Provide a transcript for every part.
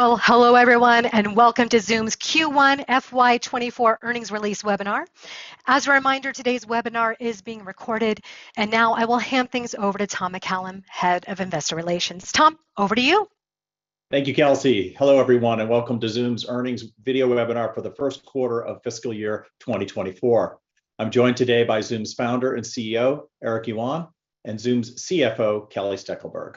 Well, hello everyone, and welcome to Zoom's Q1 FY 2024 earnings release webinar. As a reminder, today's webinar is being recorded. Now I will hand things over to Tom McCallum, head of investor relations. Tom, over to you. Thank you, Kelsey. Hello everyone, welcome to Zoom's earnings video webinar for the first quarter of fiscal year 2024. I'm joined today by Zoom's founder and CEO, Eric Yuan, and Zoom's CFO, Kelly Steckelberg.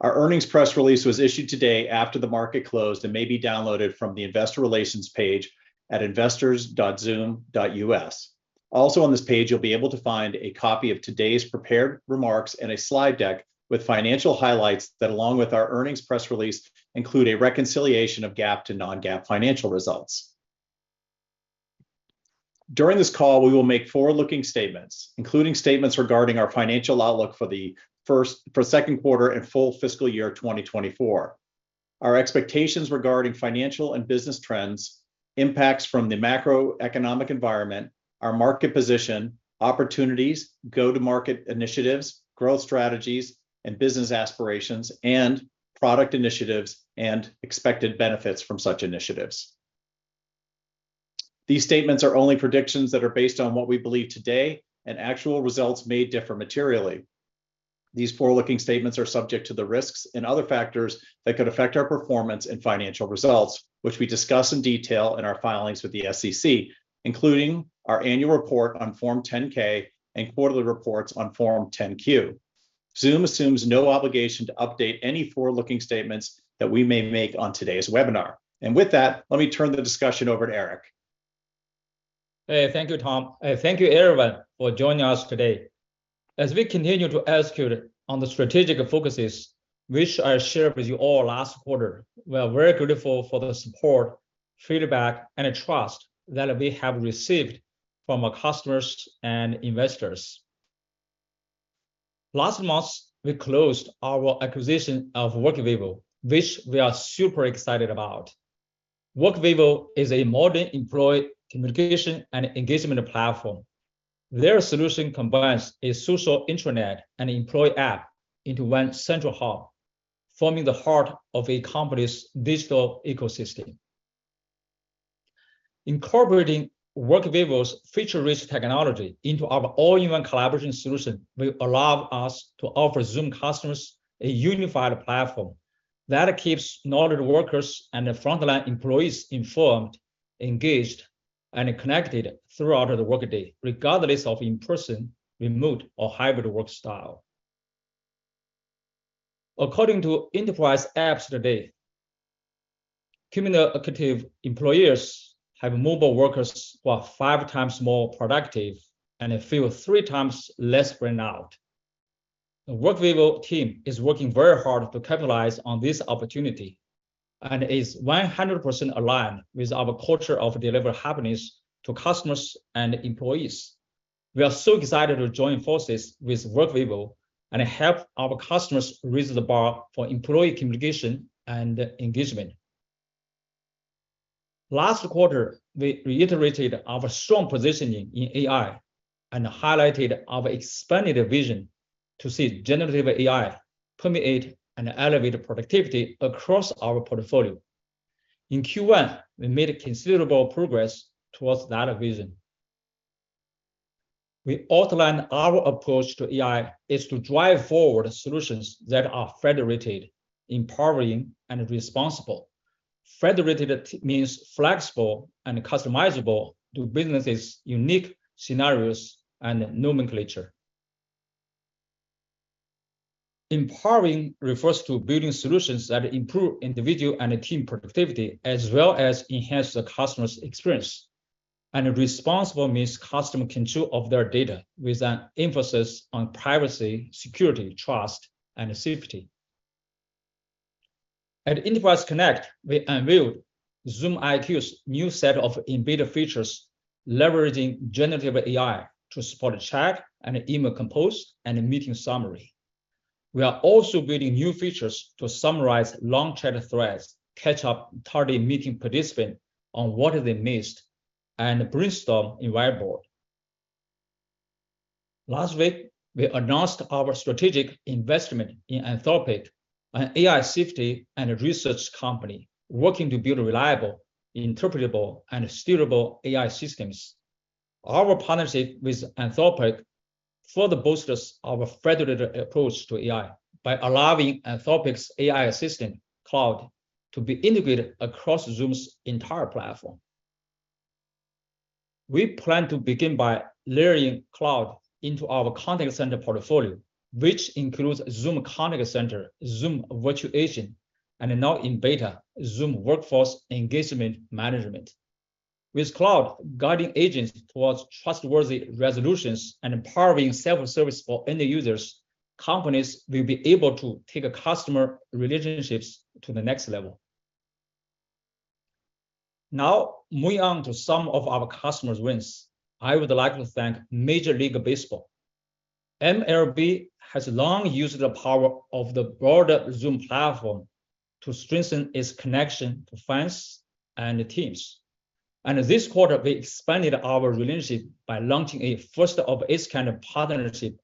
Our earnings press release was issued today after the market closed, may be downloaded from the investor relations page at investors.zoom.us. Also on this page, you'll be able to find a copy of today's prepared remarks and a slide deck with financial highlights that, along with our earnings press release, include a reconciliation of GAAP to non-GAAP financial results. During this call, we will make forward-looking statements, including statements regarding our financial outlook for the first, second quarter and full fiscal year 2024. Our expectations regarding financial and business trends, impacts from the macroeconomic environment, our market position, opportunities, go-to-market initiatives, growth strategies, and business aspirations, and product initiatives and expected benefits from such initiatives. These statements are only predictions that are based on what we believe today, and actual results may differ materially. These forward-looking statements are subject to the risks and other factors that could affect our performance and financial results, which we discuss in detail in our filings with the SEC, including our annual report on Form 10-K and quarterly reports on Form 10-Q. Zoom assumes no obligation to update any forward-looking statements that we may make on today's webinar. With that, let me turn the discussion over to Eric. Hey. Thank you, Tom. Thank you everyone for joining us today. As we continue to execute on the strategic focuses, which I shared with you all last quarter, we are very grateful for the support, feedback, and trust that we have received from our customers and investors. Last month, we closed our acquisition of Workvivo, which we are super excited about. Workvivo is a modern employee communication and engagement platform. Their solution combines a social intranet and employee app into one central hub, forming the heart of a company's digital ecosystem. Incorporating Workvivo's feature-rich technology into our All-in-One collaboration solution will allow us to offer Zoom customers a unified platform that keeps knowledge workers and frontline employees informed, engaged, and connected throughout the workday, regardless of in-person, remote, or hybrid work style. According to Enterprise Apps Today, communicative employers have mobile workers who are five times more productive and feel three times less burnout. The Workvivo team is working very hard to capitalize on this opportunity, and is 100% aligned with our culture of deliver happiness to customers and employees. We are so excited to join forces with Workvivo and help our customers raise the bar for employee communication and engagement. Last quarter, we reiterated our strong positioning in AI and highlighted our expanded vision to see generative AI permeate and elevate productivity across our portfolio. In Q1, we made considerable progress towards that vision. We outlined our approach to AI is to drive forward solutions that are Federated, Empowering, and Responsible. Federated means flexible and customizable to businesses' unique scenarios and nomenclature. Empowering refers to building solutions that improve individual and team productivity, as well as enhance the customer's experience. Responsible means customer control of their data with an emphasis on Privacy, Security, Trust, and Safety. At Enterprise Connect, we unveiled Zoom IQ's new set of in-beta features leveraging generative AI to support Chat and Email Compose and Meeting Summary. We are also building new features to summarize long chat threads, catch up tardy meeting participant on what they missed, and brainstorm in whiteboard. Last week, we announced our strategic investment in Anthropic, an AI safety and research company working to build Reliable, Interpretable, and Steerable AI systems. Our partnership with Anthropic further bolsters our federated approach to AI by allowing Anthropic's AI assistant, Claude, to be integrated across Zoom's entire platform. We plan to begin by layering Claude into our Contact Center portfolio, which includes Zoom Contact Center, Zoom Virtual Agent, and now in Beta, Zoom Workforce Engagement Management. With Claude guiding agents towards trustworthy resolutions and empowering self-service for end users, companies will be able to take customer relationships to the next level. Moving on to some of our customers' wins. I would like to thank Major League Baseball. MLB has long used the power of the broader Zoom platform to strengthen its connection to fans and teams. This quarter, we expanded our relationship by launching a first of its kind of partnership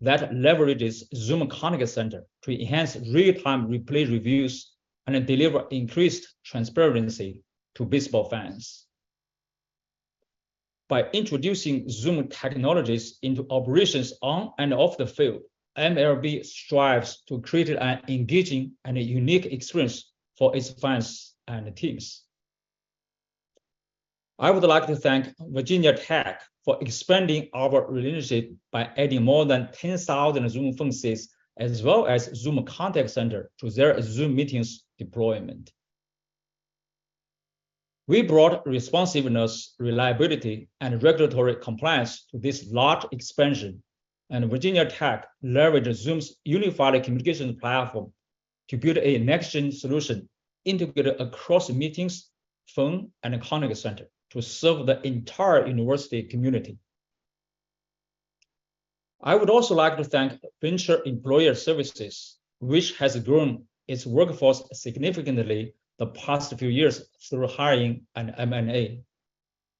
that leverages Zoom Contact Center to enhance real-time replay reviews and then deliver increased transparency to baseball fans. By introducing Zoom Technologies into operations on and off the field, MLB strives to create an engaging and a unique experience for its fans and teams. I would like to thank Virginia Tech for expanding our relationship by adding more than 10,000 Zoom Phone seats, as well as Zoom Contact Center to their Zoom Meetings deployment. We brought Responsiveness, Reliability, and Regulatory Compliance to this large expansion. Virginia Tech leveraged Zoom's unified communication platform to build a next-gen solution integrated across meetings, phone, and a Contact Center to serve the entire university community. I would also like to thank Vensure Employer Services, which has grown its workforce significantly the past few years through hiring and M&A.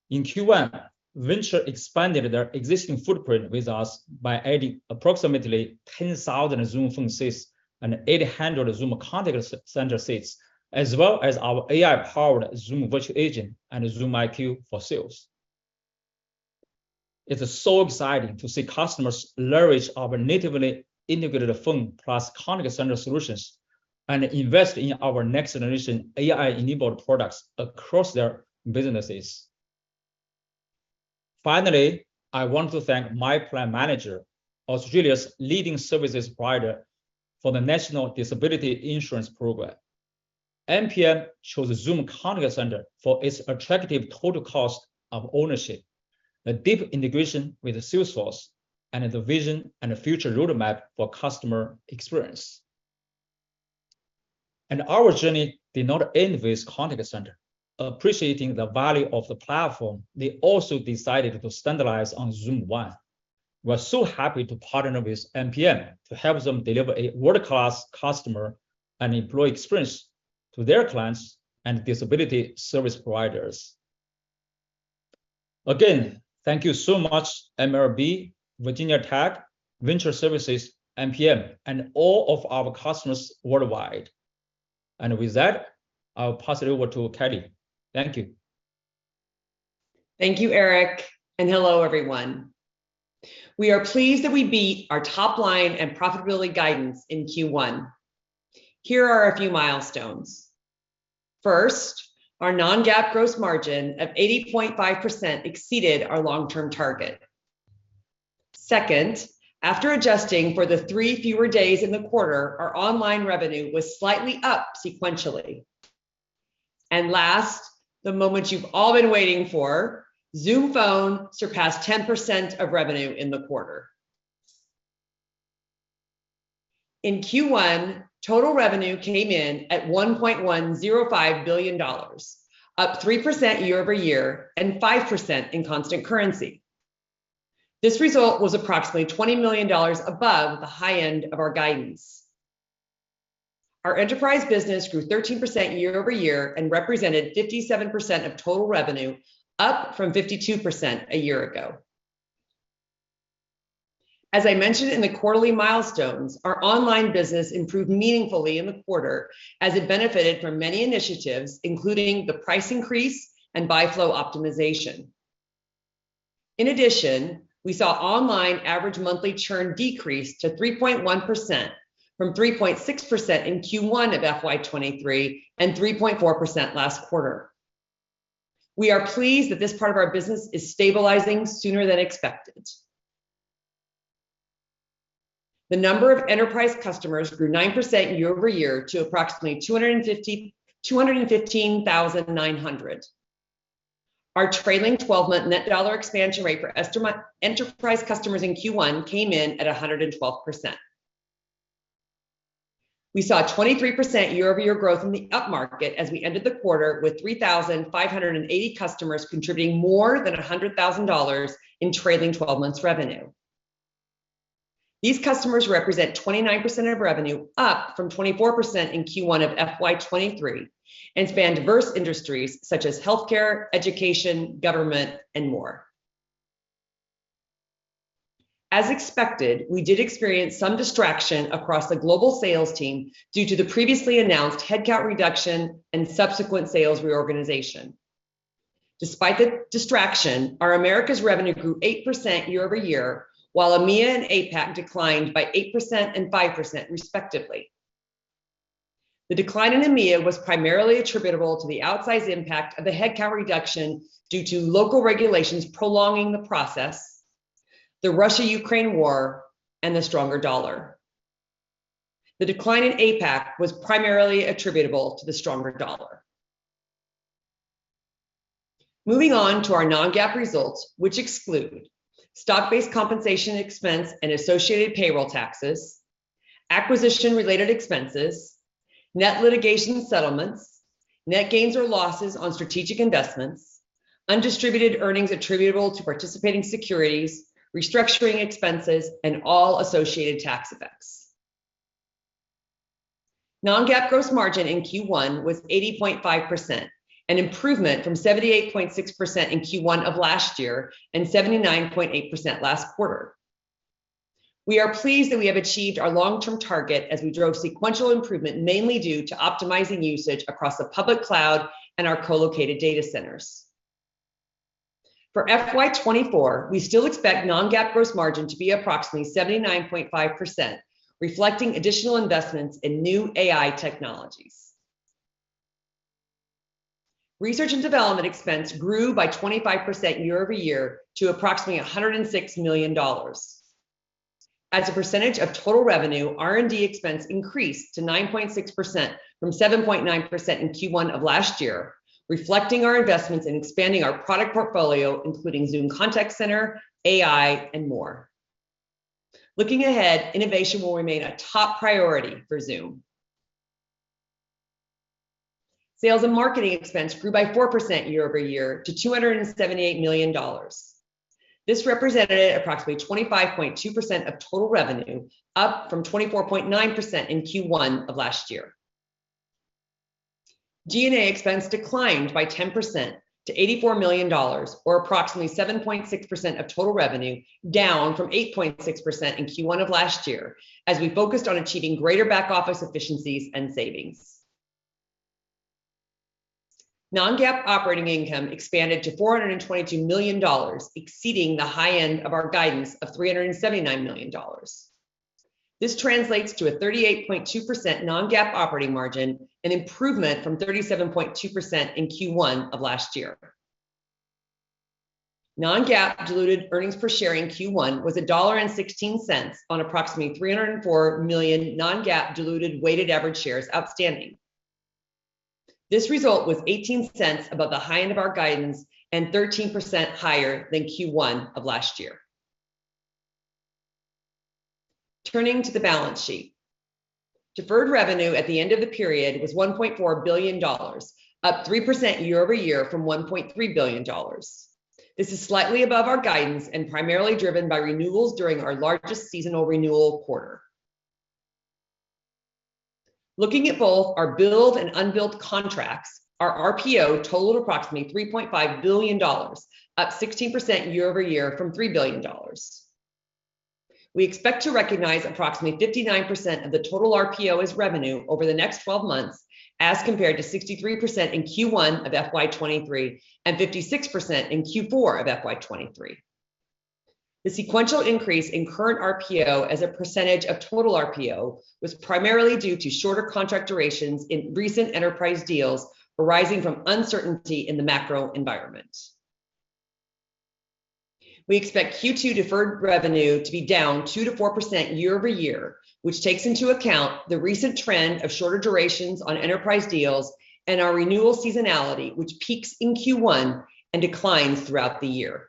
In Q1, Vensure expanded their existing footprint with us by adding approximately 10,000 Zoom Phone seats and 800 Zoom Contact Center seats, as well as our AI-powered Zoom Virtual Agent and Zoom IQ for Sales. It's so exciting to see customers leverage our natively integrated Phone plus Contact Center solutions and invest in our next generation AI-enabled products across their businesses. Finally, I want to thank My Plan Manager, Australia's leading services provider for the National Disability Insurance Program. MPM chose Zoom Contact Center for its attractive total cost of ownership, a deep integration with Salesforce, and the vision and future roadmap for customer experience. Our journey did not end with Contact Center. Appreciating the value of the platform, they also decided to standardize on Zoom One. We're so happy to partner with MPM to help them deliver a world-class customer and employee experience to their clients and disability service providers. Again, thank you so much MLB, Virginia Tech, Vensure Services, MPM, and all of our customers worldwide. With that, I'll pass it over to Kelly. Thank you. Thank you, Eric, and hello, everyone. We are pleased that we beat our top line and profitability guidance in Q1. Here are a few milestones. First, our non-GAAP gross margin of 80.5% exceeded our long-term target. Second, after adjusting for the three fewer days in the quarter, our Online revenue was slightly up sequentially. Last, the moment you've all been waiting for, Zoom Phone surpassed 10% of revenue in the quarter. In Q1, total revenue came in at $1.105 billion, up 3% year-over-year, and 5% in constant currency. This result was approximately $20 million above the high end of our guidance. Our enterprise business grew 13% year-over-year and represented 57% of total revenue, up from 52% a year ago. As I mentioned in the quarterly milestones, our Online business improved meaningfully in the quarter as it benefited from many initiatives, including the price increase and buy flow optimization. In addition, we saw Online average monthly churn decrease to 3.1% from 3.6% in Q1 of FY 2023 and 3.4% last quarter. We are pleased that this part of our business is stabilizing sooner than expected. The number of Enterprise customers grew 9% year-over-year to approximately 215,900. Our trailing 12-month net dollar expansion rate for estimate Enterprise customers in Q1 came in at 112%. We saw a 23% year-over-year growth in the upmarket as we ended the quarter with 3,580 customers contributing more than $100,000 in trailing 12 months revenue. These customers represent 29% of revenue, up from 24% in Q1 of FY 2023, and span diverse industries such as healthcare, education, government, and more. As expected, we did experience some distraction across the global sales team due to the previously announced headcount reduction and subsequent Sales reorganization. Despite the distraction, our America's revenue grew 8% year-over-year, while EMEA and APAC declined by 8% and 5% respectively. The decline in EMEA was primarily attributable to the outsized impact of the headcount reduction due to local regulations prolonging the process, the Russia-Ukraine war, and the stronger dollar. The decline in APAC was primarily attributable to the stronger dollar. Moving on to our non-GAAP results, which exclude stock-based compensation expense and associated payroll taxes, acquisition-related expenses, net litigation settlements, net gains or losses on strategic investments, undistributed earnings attributable to participating securities, restructuring expenses, and all associated tax effects. Non-GAAP gross margin in Q1 was 80.5%, an improvement from 78.6% in Q1 of last year and 79.8% last quarter. We are pleased that we have achieved our long-term target as we drove sequential improvement, mainly due to optimizing usage across the public cloud and our co-located data centers. For FY 2024, we still expect non-GAAP gross margin to be approximately 79.5%, reflecting additional investments in new AI technologies. Research and development expense grew by 25% year-over-year to approximately $106 million. As a percentage of total revenue, R&D expense increased to 9.6% from 7.9% in Q1 of last year, reflecting our investments in expanding our product portfolio, including Zoom Contact Center, AI, and more. Looking ahead, innovation will remain a top priority for Zoom. Sales and marketing expense grew by 4% year-over-year to $278 million. This represented approximately 25.2% of total revenue, up from 24.9% in Q1 of last year. G&A expense declined by 10% to $84 million, or approximately 7.6% of total revenue, down from 8.6% in Q1 of last year, as we focused on achieving greater back office efficiencies and savings. Non-GAAP operating income expanded to $422 million, exceeding the high end of our guidance of $379 million. This translates to a 38.2% non-GAAP operating margin, an improvement from 37.2% in Q1 of last year. Non-GAAP diluted earnings per share in Q1 was $1.16 on approximately 304 million non-GAAP diluted weighted average shares outstanding. This result was $0.18 above the high end of our guidance and 13% higher than Q1 of last year. Turning to the balance sheet. Deferred revenue at the end of the period was $1.4 billion, up 3% year-over-year from $1.3 billion. This is slightly above our guidance and primarily driven by renewals during our largest seasonal renewal quarter. Looking at both our billed and unbilled contracts, our RPO totaled approximately $3.5 billion, up 16% year-over-year from $3 billion. We expect to recognize approximately 59% of the total RPO as revenue over the next 12 months, as compared to 63% in Q1 of FY 2023 and 56% in Q4 of FY 2023. The sequential increase in current RPO as a percentage of total RPO was primarily due to shorter contract durations in recent enterprise deals arising from uncertainty in the macro environment. We expect Q2 deferred revenue to be down 2%-4% year-over-year, which takes into account the recent trend of shorter durations on Enterprise deals and our renewal seasonality, which peaks in Q1 and declines throughout the year.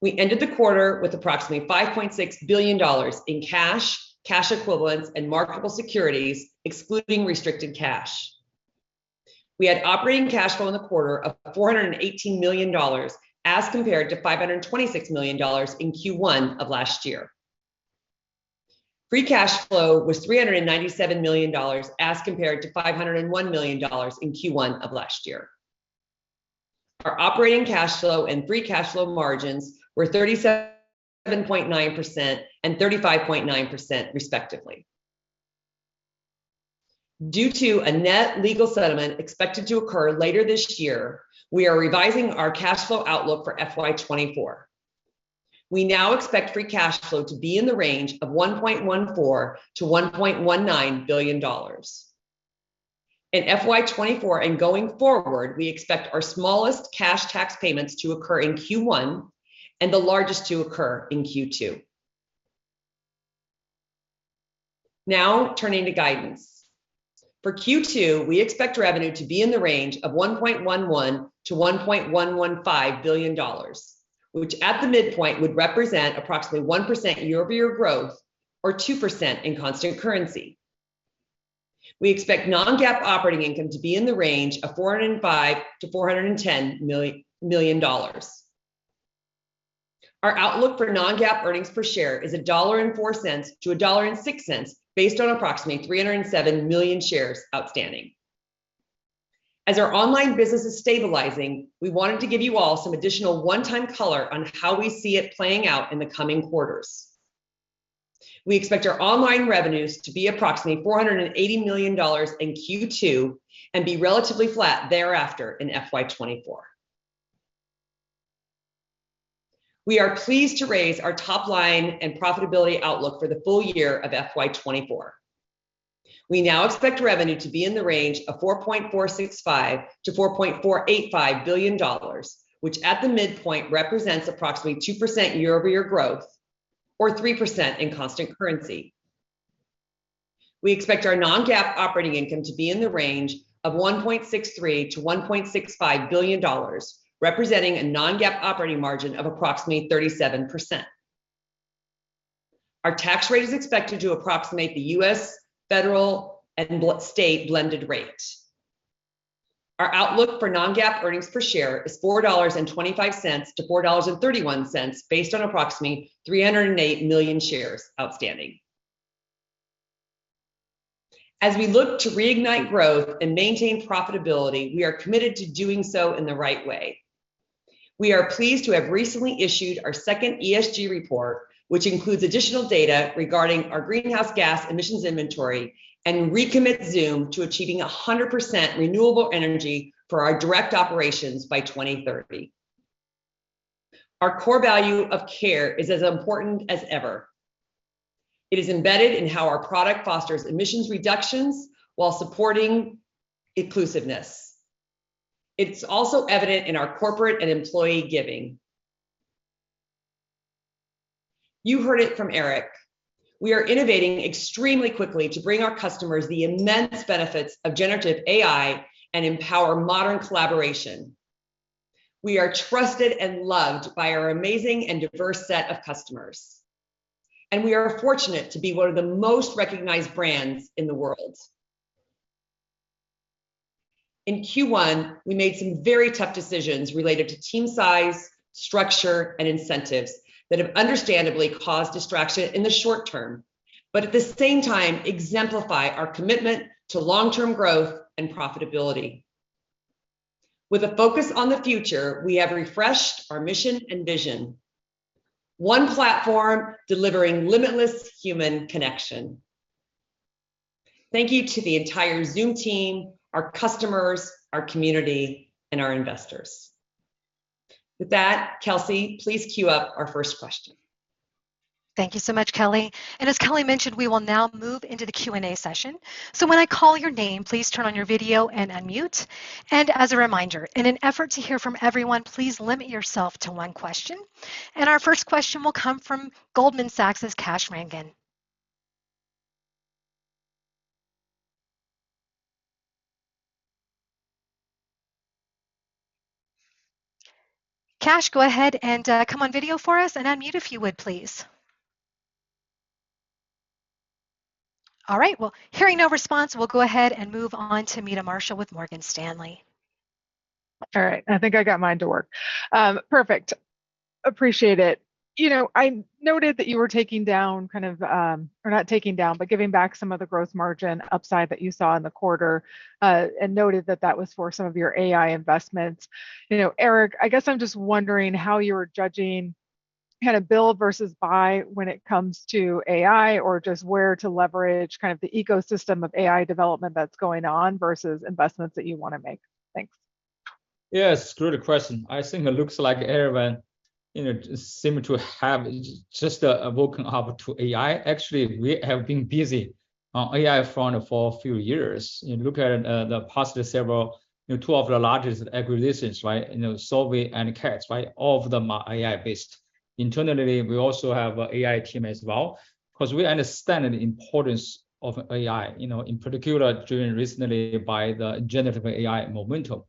We ended the quarter with approximately $5.6 billion in cash, cash equivalents, and marketable securities, excluding restricted cash. We had operating cash flow in the quarter of $418 million as compared to $526 million in Q1 of last year. Free cash flow was $397 million as compared to $501 million in Q1 of last year. Our operating cash flow and free cash flow margins were 37.9% and 35.9% respectively. Due to a net legal settlement expected to occur later this year, we are revising our cash flow outlook for FY 2024. We now expect free cash flow to be in the range of $1.14 billion-$1.19 billion. In FY 2024 and going forward, we expect our smallest cash tax payments to occur in Q1 and the largest to occur in Q2. Turning to guidance. For Q2, we expect revenue to be in the range of $1.11 billion-$1.115 billion, which at the midpoint would represent approximately 1% year-over-year growth or 2% in constant currency. We expect non-GAAP operating income to be in the range of $405 million-$410 million. Our outlook for non-GAAP earnings per share is $1.04-$1.06 based on approximately 307 million shares outstanding. As our Online business is stabilizing, we wanted to give you all some additional one-time color on how we see it playing out in the coming quarters. We expect our Online revenues to be approximately $480 million in Q2 and be relatively flat thereafter in FY 2024. We are pleased to raise our top line and profitability outlook for the full year of FY 2024. We now expect revenue to be in the range of $4.465 billion-$4.485 billion, which at the midpoint represents approximately 2% year-over-year growth or 3% in constant currency. We expect our non-GAAP operating income to be in the range of $1.63 billion-$1.65 billion, representing a non-GAAP operating margin of approximately 37%. Our tax rate is expected to approximate the US federal and state blended rate. Our outlook for non-GAAP earnings per share is $4.25 to $4.31 based on approximately 308 million shares outstanding. As we look to reignite growth and maintain profitability, we are committed to doing so in the right way. We are pleased to have recently issued our second ESG report, which includes additional data regarding our greenhouse gas emissions inventory and recommit Zoom to achieving 100% renewable energy for our direct operations by 2030. Our core value of Care is as important as ever. It is embedded in how our product fosters emissions reductions while supporting inclusiveness. It's also evident in our corporate and employee giving. You heard it from Eric. We are innovating extremely quickly to bring our customers the immense benefits of generative AI and empower modern collaboration. We are trusted and loved by our amazing and diverse set of customers, and we are fortunate to be one of the most recognized brands in the world. In Q1, we made some very tough decisions related to team size, structure, and incentives that have understandably caused distraction in the short term, but at the same time exemplify our commitment to long-term growth and profitability. With a focus on the future, we have refreshed our mission and vision. One platform delivering limitless human connection. Thank you to the entire Zoom team, our customers, our community, and our investors. With that, Kelsey, please queue up our first question. Thank you so much, Kelly. As Kelly mentioned, we will now move into the Q&A session. When I call your name, please turn on your video and unmute. As a reminder, in an effort to hear from everyone, please limit yourself to one question. Our first question will come from Goldman Sachs' Kash Rangan. Kash, go ahead and come on video for us and unmute if you would, please. All right. Hearing no response, we'll go ahead and move on to Meta Marshall with Morgan Stanley. All right. I think I got mine to work. Perfect. Appreciate it. You know, I noted that you were taking down kind of, or not taking down, but giving back some of the growth margin upside that you saw in the quarter, and noted that that was for some of your AI investments. You know, Eric, I guess I'm just wondering how you're judging kind of build versus buy when it comes to AI or just where to leverage kind of the ecosystem of AI development that's going on versus investments that you want to make. Thanks. Yes, great question. I think it looks like everyone, you know, seem to have just woken up to AI. Actually, we have been busy on AI front for a few years. You look at, the past several, you know, two of the largest acquisitions, right? You know, Solvay and CAT, right? All of them are AI-based. Internally, we also have a AI team as well, because we understand the importance of AI, you know, in particular driven recently by the generative AI momentum.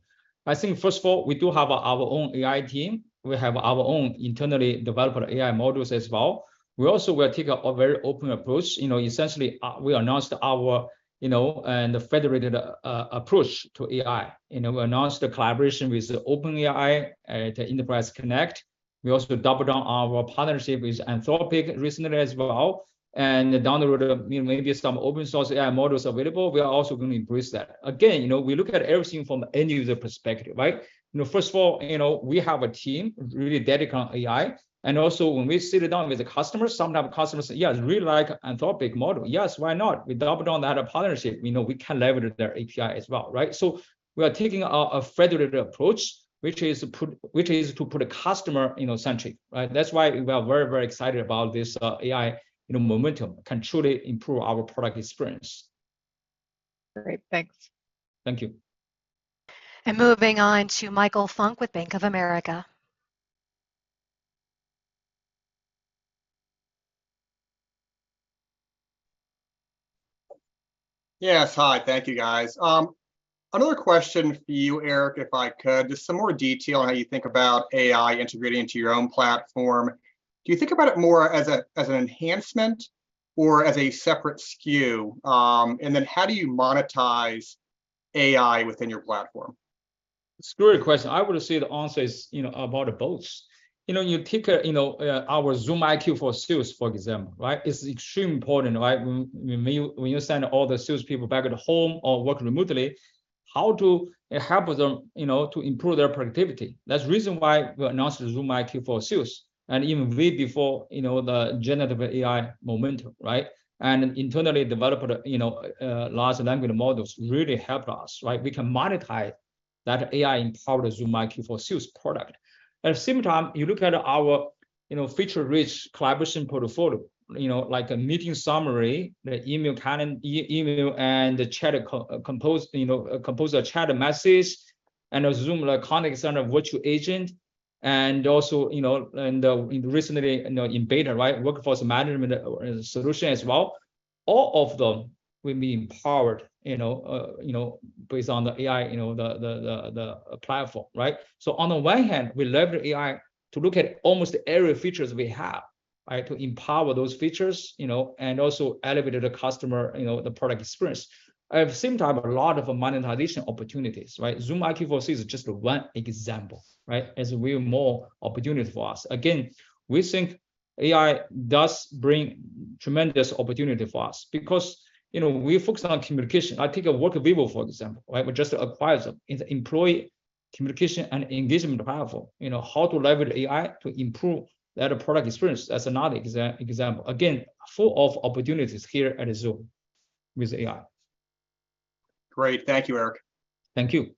I think first of all, we do have our own AI team. We have our own internally developed AI models as well. We also will take a very open approach. You know, essentially, we announced our, you know, and federated, approach to AI. You know, we announced the collaboration with OpenAI, the Enterprise Connect. We also doubled down our partnership with Anthropic recently as well. Down the road, you know, maybe some open source AI models available, we are also going to embrace that. Again, you know, we look at everything from the end user perspective, right? You know, first of all, you know, we have a team really dedicated on AI. Also when we sit down with the customers, sometimes customers say, "Yes, we like Anthropic model." Yes, why not? We doubled down that partnership. You know, we can leverage their API as well, right? We are taking a federated approach, which is to put a customer, you know, centric, right? That's why we are very, very excited about this AI, you know, momentum, can truly improve our product experience. Great. Thanks. Thank you. Moving on to Michael Funk with Bank of America. Yes. Hi. Thank you, guys. Another question for you, Eric, if I could. Just some more detail on how you think about AI integrating into your own platform. Do you think about it more as an enhancement or as a separate SKU? How do you monetize AI within your platform? It's a great question. I would say the answer is, you know, about both. You know, you take a, you know, our Zoom IQ for Sales, for example, right? It's extremely important, right? When you send all the sales people back at home or work remotely, how to help them, you know, to improve their productivity. That's the reason why we announced Zoom IQ for Sales, and even way before, you know, the generative AI momentum, right? Internally developing, you know, large language models really helped us, right? We can monetize that AI-empowered Zoom IQ for Sales product. At the same time, you look at our, you know, feature-rich collaboration portfolio, you know, like a Meeting Summary, the Email and the Chat Compose, you know, compose a chat message, and a Zoom Contact Center Virtual Agent, and also, you know, recently, you know, in beta, right, workforce management solution as well. All of them will be empowered, you know, based on the AI, you know, the platform, right? On the one hand, we leverage AI to look at almost every features we have. I had to empower those features, you know, and also elevated the customer, you know, the product experience. At the same time, a lot of monetization opportunities, right? Zoom IQ for Sales is just one example, right? As we have more opportunities for us. We think AI does bring tremendous opportunity for us because, you know, we're focused on communication. I take a Workvivo, for example, right? We just acquired them. It's employee communication and engagement platform. You know, how to leverage AI to improve that product experience, that's another example. Full of opportunities here at Zoom with AI. Great. Thank you, Eric. Thank you.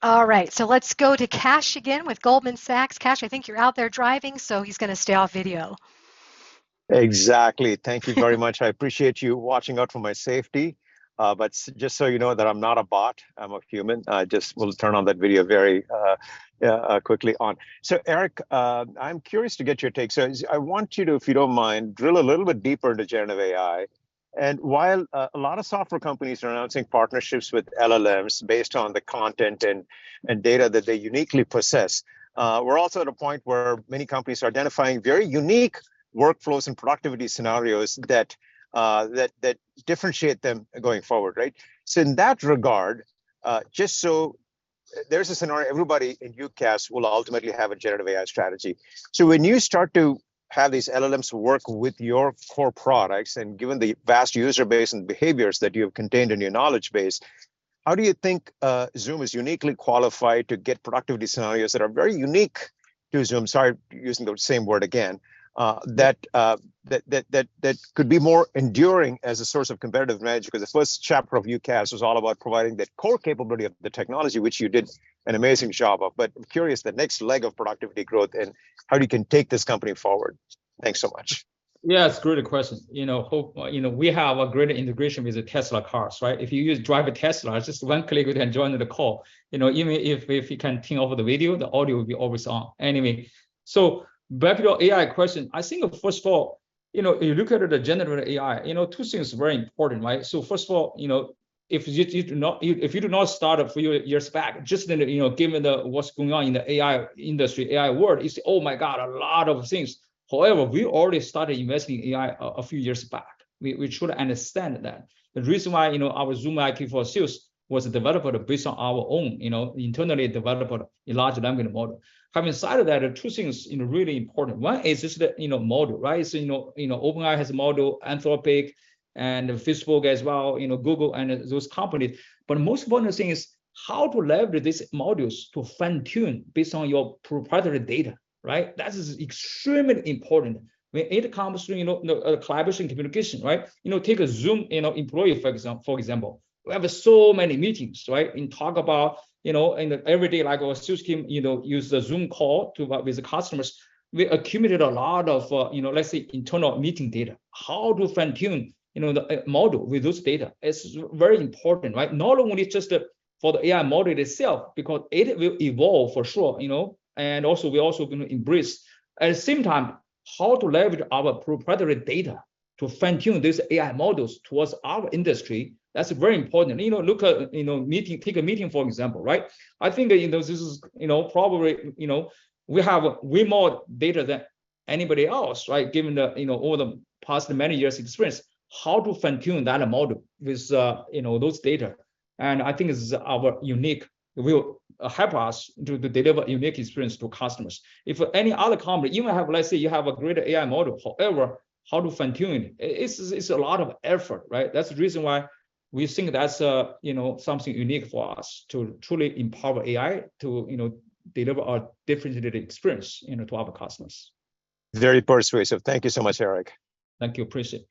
All right, let's go to Kash again with Goldman Sachs. Kash, I think you're out there driving, so he's gonna stay off video. Exactly. Thank you very much. I appreciate you watching out for my safety. But just so you know that I'm not a bot, I'm a human, I just will turn on that video very quickly on. Eric, I'm curious to get your take. I want you to, if you don't mind, drill a little bit deeper into generative AI. While a lot of software companies are announcing partnerships with LLMs based on the content and data that they uniquely possess, we're also at a point where many companies are identifying very unique workflows and productivity scenarios that differentiate them going forward, right? In that regard, just so there's a scenario everybody in UCaaS will ultimately have a generative AI strategy. When you start to have these LLMs work with your core products, given the vast user base and behaviors that you have contained in your knowledge base, how do you think Zoom is uniquely qualified to get productivity scenarios that are very unique to Zoom? Sorry, using the same word again. That could be more enduring as a source of competitive advantage? The first chapter of UCaaS was all about providing that core capability of the technology, which you did an amazing job of. I'm curious the next leg of productivity growth and how you can take this company forward. Thanks so much. Yeah, it's a great question. You know, we have a great integration with the Tesla cars, right? If you use, drive a Tesla, it's just one click and join the call. You know, even if you can't turn over the video, the audio will be always on. Back to your AI question. I think first of all, you know, you look at the generative AI, you know, two things are very important, right? First of all, you know, if you do not, if you do not start a few years back, just then, you know, given the what's going on in the AI industry, AI world, you say, "Oh my God, a lot of things." However, we already started investing in AI a few years back. We should understand that. The reason why, you know, our Zoom IQ for Sales was developed based on our own, you know, internally developed large language model. Having said that, two things, you know, really important. One is just the, you know, model, right? OpenAI has a model, Anthropic and Facebook as well, you know, Google and those companies. Most important thing is how to leverage these models to fine-tune based on your proprietary data, right? That is extremely important. When it comes to, you know, collaboration communication, right? You know, take a Zoom, you know, employee for example. We have so many meetings, right? Talk about, you know, in every day, like our Sales team, you know, use the Zoom call to with the customers. We accumulated a lot of, you know, let's say internal meeting data. How to fine-tune, you know, the model with those data is very important, right? Not only just for the AI model itself, because it will evolve for sure, you know. Also, we're also going to embrace. At the same time, how to leverage our proprietary data to fine-tune these AI models towards our industry, that's very important. You know, look at, you know, meeting, take a meeting for example, right? I think, you know, this is, you know, probably, you know, we have way more data than anybody else, right? Given the, you know, all the past many years experience, how to fine-tune that model with, you know, those data. I think this is our unique will help us to deliver unique experience to customers. If any other company even have, let's say you have a greater AI model, however, how to fine-tune it's a lot of effort, right? That's the reason why we think that's, you know, something unique for us to truly empower AI to, you know, deliver a differentiated experience, you know, to our customers. Very persuasive. Thank you so much, Eric. Thank you. Appreciate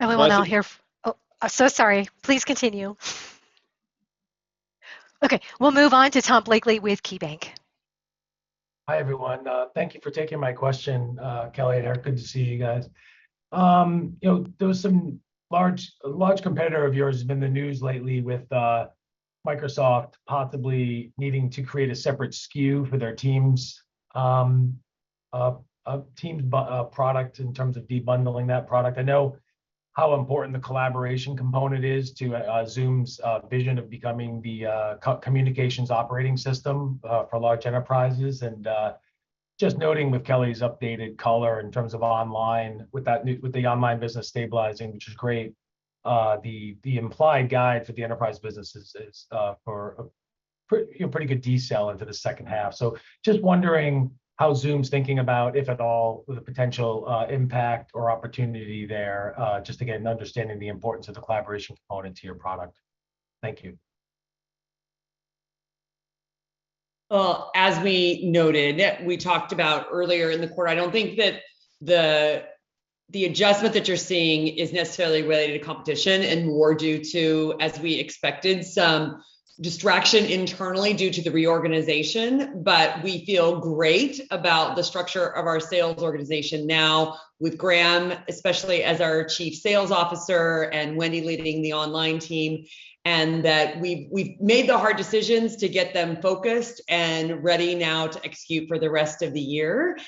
it. We will now hear Oh, so sorry. Please continue. We'll move on to Tom Blakey with KeyBank. Hi, everyone. Thank you for taking my question, Kelly and Eric. Good to see you guys. You know, a large competitor of yours has been in the news lately with Microsoft possibly needing to create a separate SKU for their Teams product in terms of debundling that product. I know how important the collaboration component is to Zoom's vision of becoming the communications operating system for large enterprises. Just noting with Kelly's updated color in terms of Online with the Online business stabilizing, which is great, the implied guide for the Enterprise business is for a you know, pretty good decel into the second half. Just wondering how Zoom's thinking about, if at all, the potential impact or opportunity there, just again understanding the importance of the collaboration component to your product. Thank you. Well, as we noted, we talked about earlier in the quarter, I don't think that the adjustment that you're seeing is necessarily related to competition and more due to, as we expected, some distraction internally due to the reorganization. We feel great about the structure of our sales organization now with Graeme, especially as our chief sales officer and Wendy leading the Online team, and that we've made the hard decisions to get them focused and ready now to execute for the rest of the year.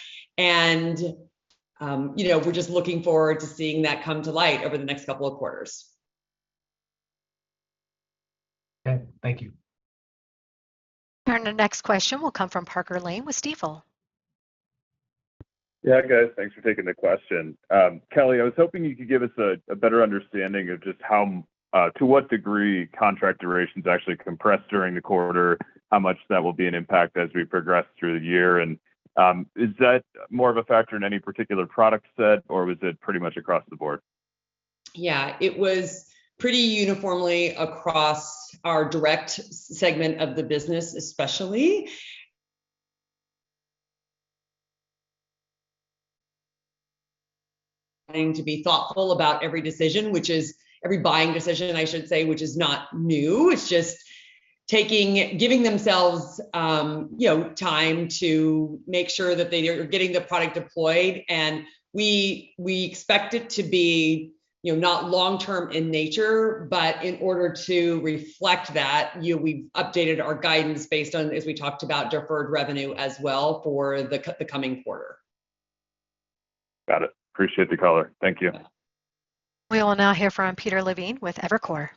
You know, we're just looking forward to seeing that come to light over the next couple of quarters. Okay, thank you. Our next question will come from Parker Lane with Stifel. Yeah, guys. Thanks for taking the question. Kelly, I was hoping you could give us a better understanding of just how to what degree contract duration's actually compressed during the quarter, how much that will be an impact as we progress through the year. Is that more of a factor in any particular product set, or was it pretty much across the board? Yeah, it was pretty uniformly across our direct segment of the business especially. Trying to be thoughtful about every decision, which is every buying decision, I should say, which is not new. It's just giving themselves, you know, time to make sure that they're getting the product deployed. We expect it to be, you know, not long-term in nature, but in order to reflect that, you know, we've updated our guidance based on, as we talked about, deferred revenue as well for the coming quarter. Got it. Appreciate the color. Thank you. We will now hear from Peter Levine with Evercore.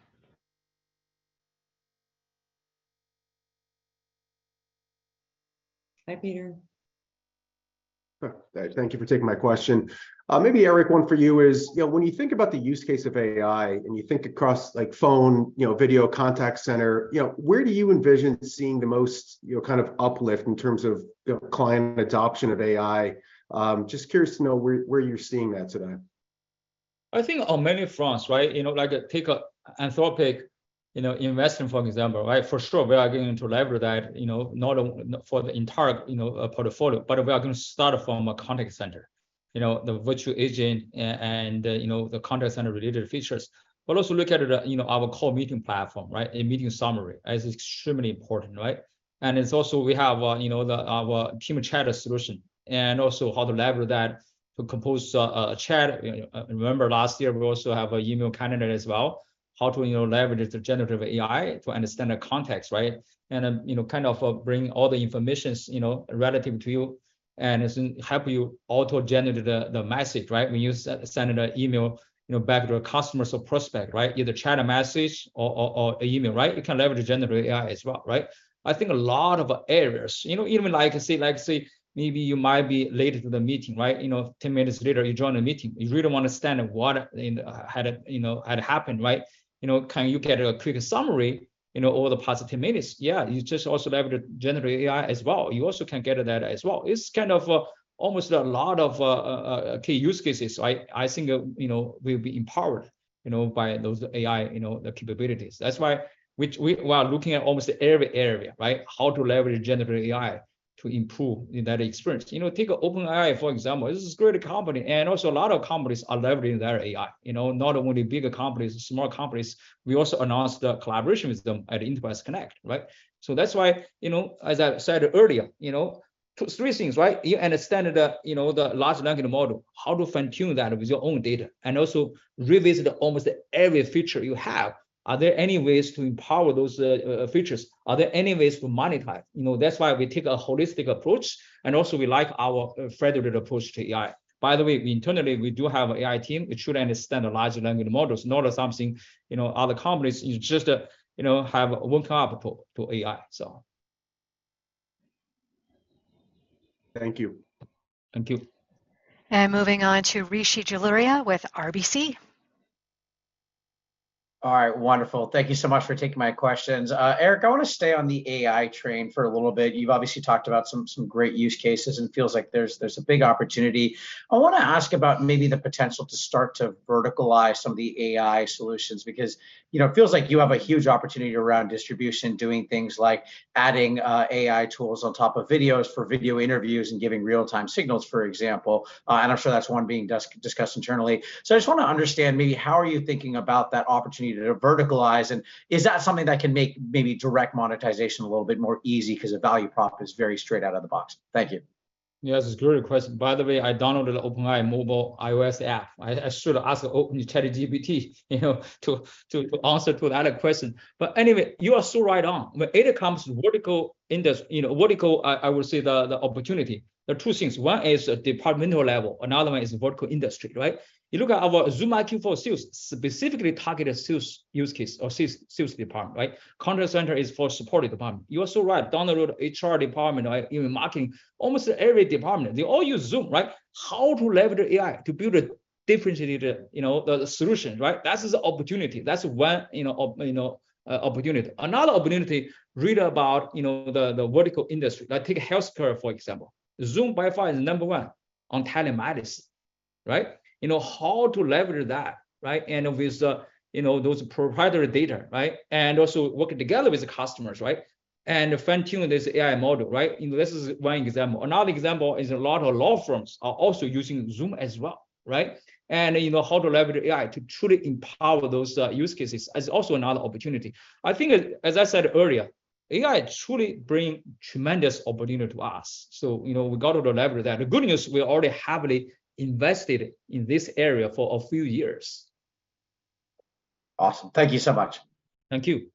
Hi, Peter. Hi. Thank you for taking my question. Maybe, Eric, one for you is, you know, when you think about the use case of AI, and you think across, like, phone, you know, video, Contact Center, you know, where do you envision seeing the most, you know, kind of uplift in terms of, you know, client adoption of AI? Just curious to know where you're seeing that today? I think on many fronts, right? You know, like take a Anthropic, you know, investment, for example, right? For sure we are going to leverage that, you know, not for the entire, you know, portfolio, but we are gonna start it from a Contact Center. You know, the Virtual Agent and, you know, the Contact Center related features. Also look at, you know, our core meeting platform, right? A Meeting Summary is extremely important, right? It's also, we have, you know, the, our Team Chat solution, and also how to leverage that to compose a chat. You know, remember last year we also have a email calendar as well, how to, you know, leverage the generative AI to understand the context, right? You know, kind of bring all the informations, you know, relative to you and it's help you auto-generate the message, right? When you send an email, you know, back to a customer or prospect, right? Either chat a message or email, right? You can leverage generative AI as well, right? I think a lot of areas. You know, even like say maybe you might be late to the meeting, right? You know, 10 minutes later you join a meeting. You really wanna understand what, you know, had happened, right? You know, can you get a quick summary, you know, all the positive minutes? Yeah, you just also leverage generative AI as well. You also can get that as well. It's kind of almost a lot of key use cases. I think, you know, we'll be empowered, you know, by those AI, you know, the capabilities. That's why we are looking at almost every area, right? How to leverage generative AI to improve that experience. You know, take OpenAI, for example. This is a great company, and also a lot of companies are leveraging their AI. You know, not only bigger companies, small companies. We also announced a collaboration with them at Enterprise Connect, right? That's why, you know, as I said earlier, you know, three things, right? You understand the, you know, the large language model, how to fine-tune that with your own data, and also revisit almost every feature you have. Are there any ways to empower those features? Are there any ways to monetize? You know, that's why we take a holistic approach, and also we like our federated approach to AI. By the way, internally, we do have AI team which should understand the large language models, not something, you know, other companies you just, you know, have one cloud to AI, so. Thank you. Thank you. Moving on to Rishi Jaluria with RBC. All right. Wonderful. Thank you so much for taking my questions. Eric, I wanna stay on the AI train for a little bit. You've obviously talked about some great use cases, and it feels like there's a big opportunity. I wanna ask about maybe the potential to start to verticalize some of the AI solutions because, you know, it feels like you have a huge opportunity around distribution, doing things like adding AI tools on top of videos for video interviews and giving real-time signals, for example, and I'm sure that's one being discussed internally. I just wanna understand maybe how are you thinking about that opportunity to verticalize, and is that something that can make maybe direct monetization a little bit more easy 'cause the value prop is very straight out of the box? Thank you Yeah, that's a great question. By the way, I downloaded OpenAI mobile iOS app. I should ask OpenAI ChatGPT, you know, to answer to that question. Anyway, you are so right on. When it comes to vertical, you know, vertical, I would say the opportunity, there are two things. One is departmental level, another one is vertical industry, right? You look at our Zoom IQ for Sales, specifically targeted sales use case or sales department, right? Contact Center is for support department. You are so right. Down the road, HR department or even marketing, almost every department, they all use Zoom, right? How to leverage AI to build a differentiated, you know, the solution, right? That is the opportunity. That's one, you know, opportunity. Another opportunity, read about, you know, the vertical industry. Like, take healthcare for example. Zoom by far is number one on telematics, right? You know, how to leverage that, right? With, you know, those proprietary data, right? Also working together with the customers, right? Fine-tune this AI model, right? You know, this is one example. Another example is a lot of law firms are also using Zoom as well, right? You know, how to leverage AI to truly empower those use cases is also another opportunity. I think, as I said earlier, AI truly bring tremendous opportunity to us, you know, we got to leverage that. The good news, we already heavily invested in this area for a few years. Awesome. Thank you so much. Thank you.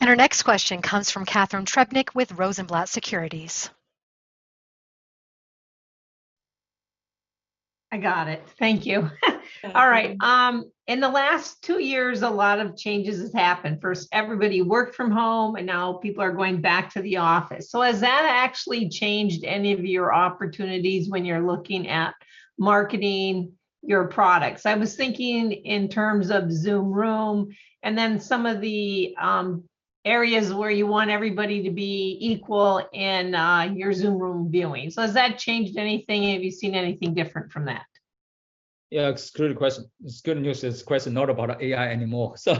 Our next question comes from Catharine Trebnick with Rosenblatt Securities. I got it. Thank you. Sure. All right, in the last two years a lot of changes has happened. First, everybody worked from home, and now people are going back to the office. Has that actually changed any of your opportunities when you're looking at marketing your products? I was thinking in terms of Zoom Rooms, and then some of the areas where you want everybody to be equal in your Zoom Rooms viewing. Has that changed anything? Have you seen anything different from that? Yeah, it's a great question. It's good news this question not about AI anymore. So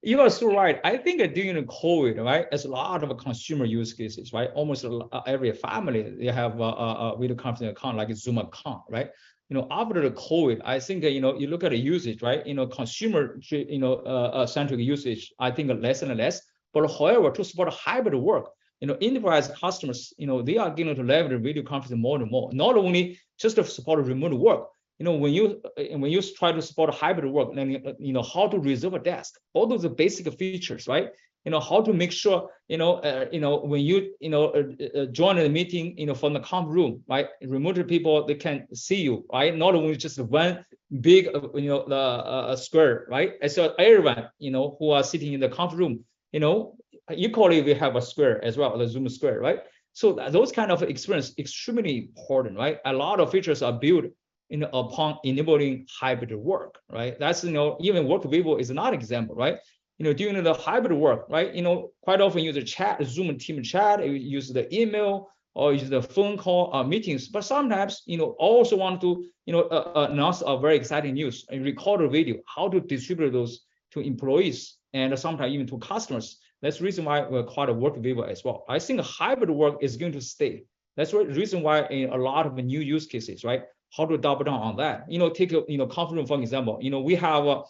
you are so right. I think during the COVID, right, there's a lot of consumer use cases, right? Almost every family, they have a video conferencing account, like a Zoom account, right? You know, after the COVID, I think that, you know, you look at a usage, right, you know, consumer centric usage, I think less and less. However, to support a hybrid work, you know, enterprise customers, you know, they are going to leverage video conference more and more. Not only just to support remote work, you know, when you, when you try to support a hybrid work, then, you know, how to reserve a desk, all those are basic features, right? You know, how to make sure, you know, you know, when you know, join a meeting, you know, from the conf room, right, remotely people they can see you, right? Not only just one big, you know, square, right? Everyone, you know, who are sitting in the conf room, you know, equally we have a square as well, the Zoom square, right? So those kind of experience extremely important, right? A lot of features are built, you know, upon enabling hybrid work, right? That's, you know, even Workvivo is another example, right? You know, during the hybrid work, right, you know, quite often user chat, Zoom Team Chat, use the email, or use the phone call or meetings. Sometimes, you know, also want to, you know, announce a very exciting news and record a video, how to distribute those to employees, and sometimes even to customers. That's the reason why we're part of Workvivo as well. I think hybrid work is going to stay. That's the reason why in a lot of new use cases, right? How to double down on that. You know, take a, you know, conf room for example. You know we have,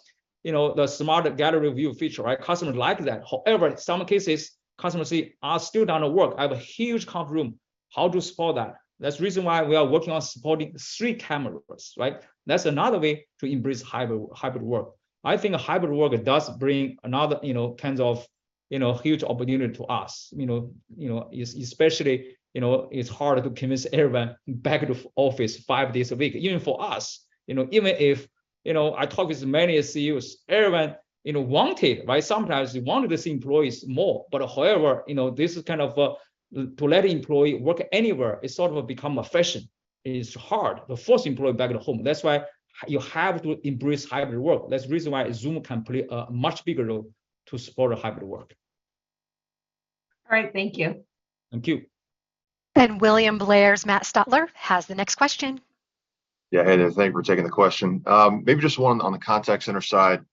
you know, the Smart Gallery view feature, right? Customers like that. However, in some cases, customers say, "I still done the work. I have a huge conf room. How to support that?" That's the reason why we are working on supporting three cameras, right? That's another way to embrace hybrid work. I think hybrid work does bring another, you know, kinds of, you know, huge opportunity to us. You know, especially, it's hard to convince everyone back to office five days a week, even for us. You know, even if I talk with many CEOs, everyone, you know, wanted, right, sometimes they wanted his employees more. However, you know, this is kind of to let employee work anywhere, it sort of become a fashion. It's hard to force employee back at home. That's why you have to embrace hybrid work. That's the reason why Zoom can play a much bigger role to support a hybrid work. All right. Thank you. Thank you. William Blair's Matt Stotler has the next question. Yeah. Hey there. Thank you for taking the question. Maybe just one on the Contact Center side.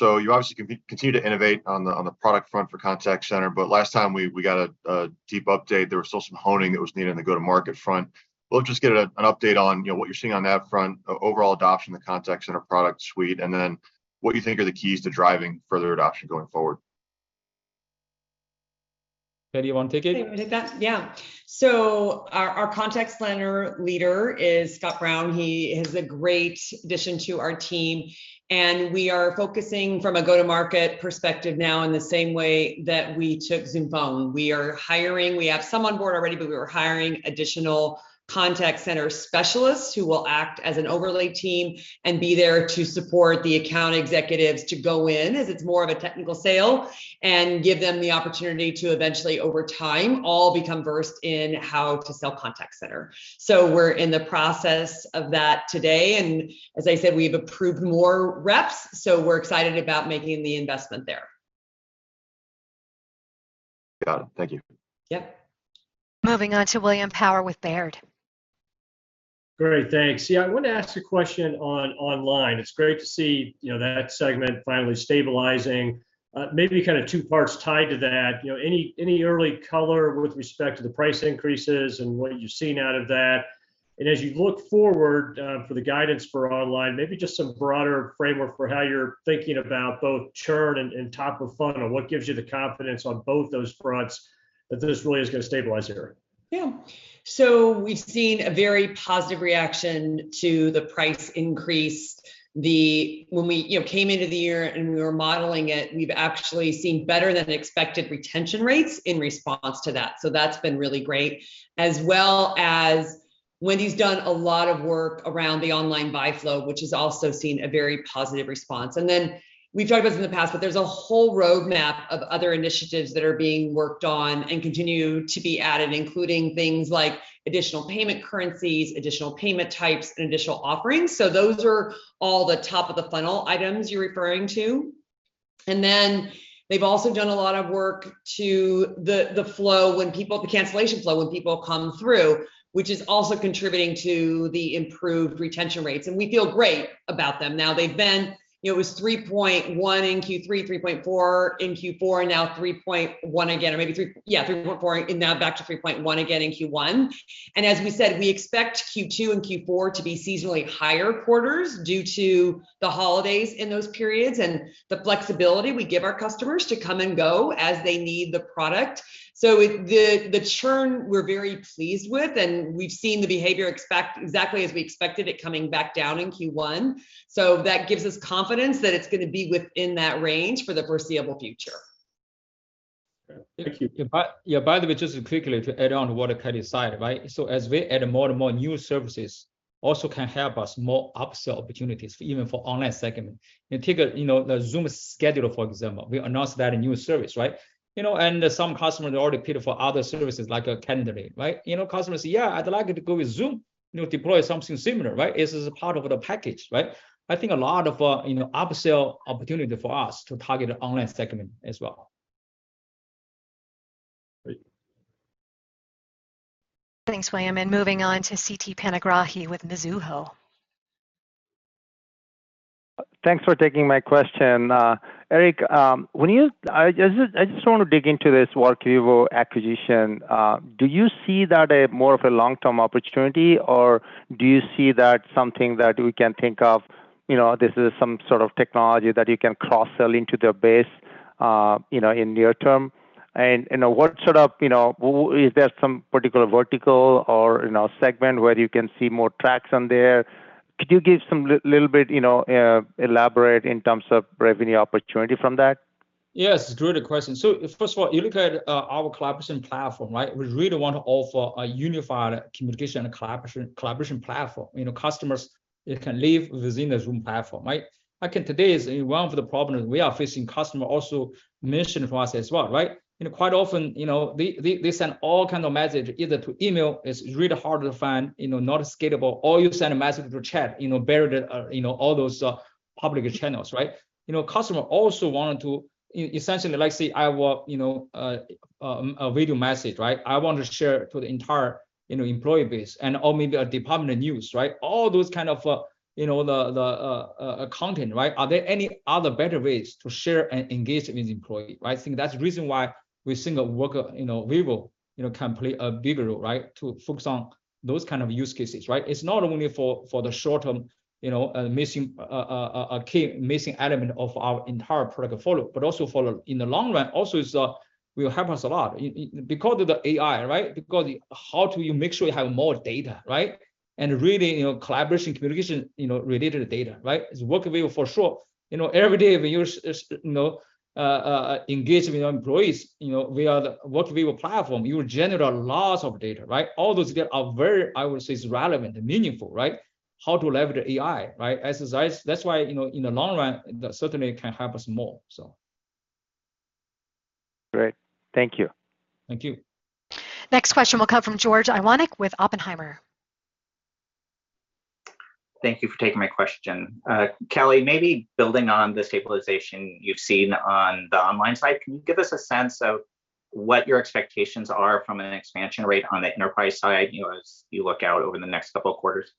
You obviously continue to innovate on the, on the product front for Contact Center, but last time we got a deep update. There was still some honing that was needed in the go-to-market front. We'll just get an update on, you know, what you're seeing on that front, overall adoption in the Contact Center product suite, and then what you think are the keys to driving further adoption going forward. , you want to take it? I can take that. Yeah. Our Contact Center leader is Scott Brown. He is a great addition to our team, and we are focusing from a go-to-market perspective now in the same way that we took Zoom Phone. We are hiring. We have some on board already, but we are hiring additional Contact Center specialists who will act as an overlay team and be there to support the account executives to go in, as it's more of a technical sale, and give them the opportunity to eventually, over time, all become versed in how to sell Contact Center. We're in the process of that today, and as I said, we've approved more reps. We're excited about making the investment there. Got it. Thank you. Yep. Moving on to William Power with Baird. Great. Thanks. Yeah. I want to ask a question on Online. It's great to see, you know, that segment finally stabilizing. Maybe kind of two parts tied to that. You know, any early color with respect to the price increases and what you've seen out of that? As you look forward, for the guidance for Online, maybe just some broader framework for how you're thinking about both churn and top of funnel, and what gives you the confidence on both those fronts that this really is gonna stabilize the area? Yeah. We've seen a very positive reaction to the price increase. When we, you know, came into the year and we were modeling it, we've actually seen better than expected retention rates in response to that, so that's been really great, as well as Wendy's done a lot of work around the Online buy flow, which has also seen a very positive response. We've talked about this in the past, but there's a whole roadmap of other initiatives that are being worked on and continue to be added, including things like additional payment currencies, additional payment types, and additional offerings. Those are all the top of the funnel items you're referring to. They've also done a lot of work to the flow when people, the cancellation flow when people come through, which is also contributing to the improved retention rates, and we feel great about them. They've been, you know, it was 3.1 in Q3, 3.4 in Q4, now 3.1 again, or maybe 3.4 and now back to 3.1 again in Q1. As we said, we expect Q2 and Q4 to be seasonally higher quarters due to the holidays in those periods and the flexibility we give our customers to come and go as they need the product. It, the churn we're very pleased with, and we've seen the behavior exactly as we expected it coming back down in Q1. That gives us confidence that it's gonna be within that range for the foreseeable future. Thank you. Yeah, by the way, just quickly to add on what Katie said, right? As we add more and more new services also can help us more upsell opportunities even for Online segment. Take a, you know, the Zoom Scheduler, for example. We announced that a new service, right? You know, some customers are already paid it for other services like a Calendar date, right? You know, customers say, "Yeah, I'd like it to go with Zoom," you know, deploy something similar, right? This is a part of the package, right? I think a lot of, you know, upsell opportunity for us to target Online segment as well. Great. Thanks, William. Moving on to Siti Panigrahi with Mizuho. Thanks for taking my question. Eric, I just want to dig into this Workvivo acquisition. Do you see that a more of a long-term opportunity, or do you see that something that we can think of, you know, this is some sort of technology that you can cross-sell into their base, you know, in near term? What sort of, you know, is there some particular vertical or, you know, segment where you can see more tracks on there? Could you give some little bit, you know, elaborate in terms of revenue opportunity from that? Yes, it's a great question. First of all, you look at our collaboration platform, right? We really want to offer a unified communication and collaboration platform. You know, customers can live within the Zoom platform, right? Like in today's, one of the problems we are facing, customer also mentioned for us as well, right? You know, quite often, you know, they send all kind of message either to email, it's really hard to find, you know, not scalable, or you send a message through chat, you know, better than, you know, all those public channels, right? You know, customer also wanted to essentially like say, "I want, you know, a video message," right? "I want to share to the entire, you know, employee base and/or maybe a department news," right? All those kind of, you know, content, right? Are there any other better ways to share and engage with employee, right? I think that's the reason why we think of Workvivo can play a bigger role, right? To focus on those kind of use cases, right? It's not only for the short term, you know, a key missing element of our entire product portfolio, but also in the long run also will help us a lot. Because of the AI, right? Because how do you make sure you have more data, right? Really, you know, collaboration, communication, you know, related data, right? It's Workvivo for sure. You know, every day we use, you know, engage with employees, you know, via the Workvivo platform, you generate lots of data, right? All those data are very, I would say, is relevant and meaningful, right? How to leverage the AI, right? As I said, that's why, you know, in the long run, that certainly can help us more. Great. Thank you. Thank you. Next question will come from George Iwanyc with Oppenheimer. Thank you for taking my question. Kelly, maybe building on the stabilization you've seen on the Online side, can you give us a sense of what your expectations are from an expansion rate on the Enterprise side, you know, as you look out over the next couple of quarters?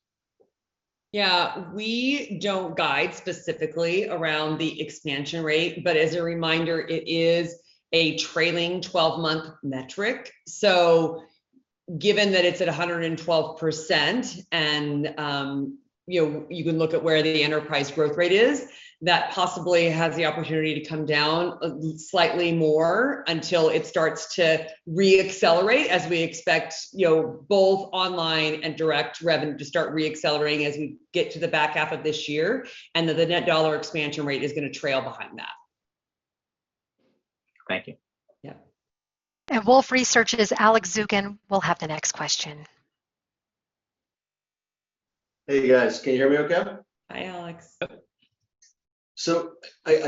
Yeah. We don't guide specifically around the expansion rate, but as a reminder, it is a trailing 12-month metric. Given that it's at 112% and, you know, you can look at where the Enterprise growth rate is, that possibly has the opportunity to come down slightly more until it starts to re-accelerate, as we expect, you know, both Online and direct revenue to start re-accelerating as we get to the back half of this year, and that the net dollar expansion rate is gonna trail behind that. Thank you. Yeah. Wolfe Research's Alex Zukin will have the next question. Hey, guys. Can you hear me okay? Hi, Alex. I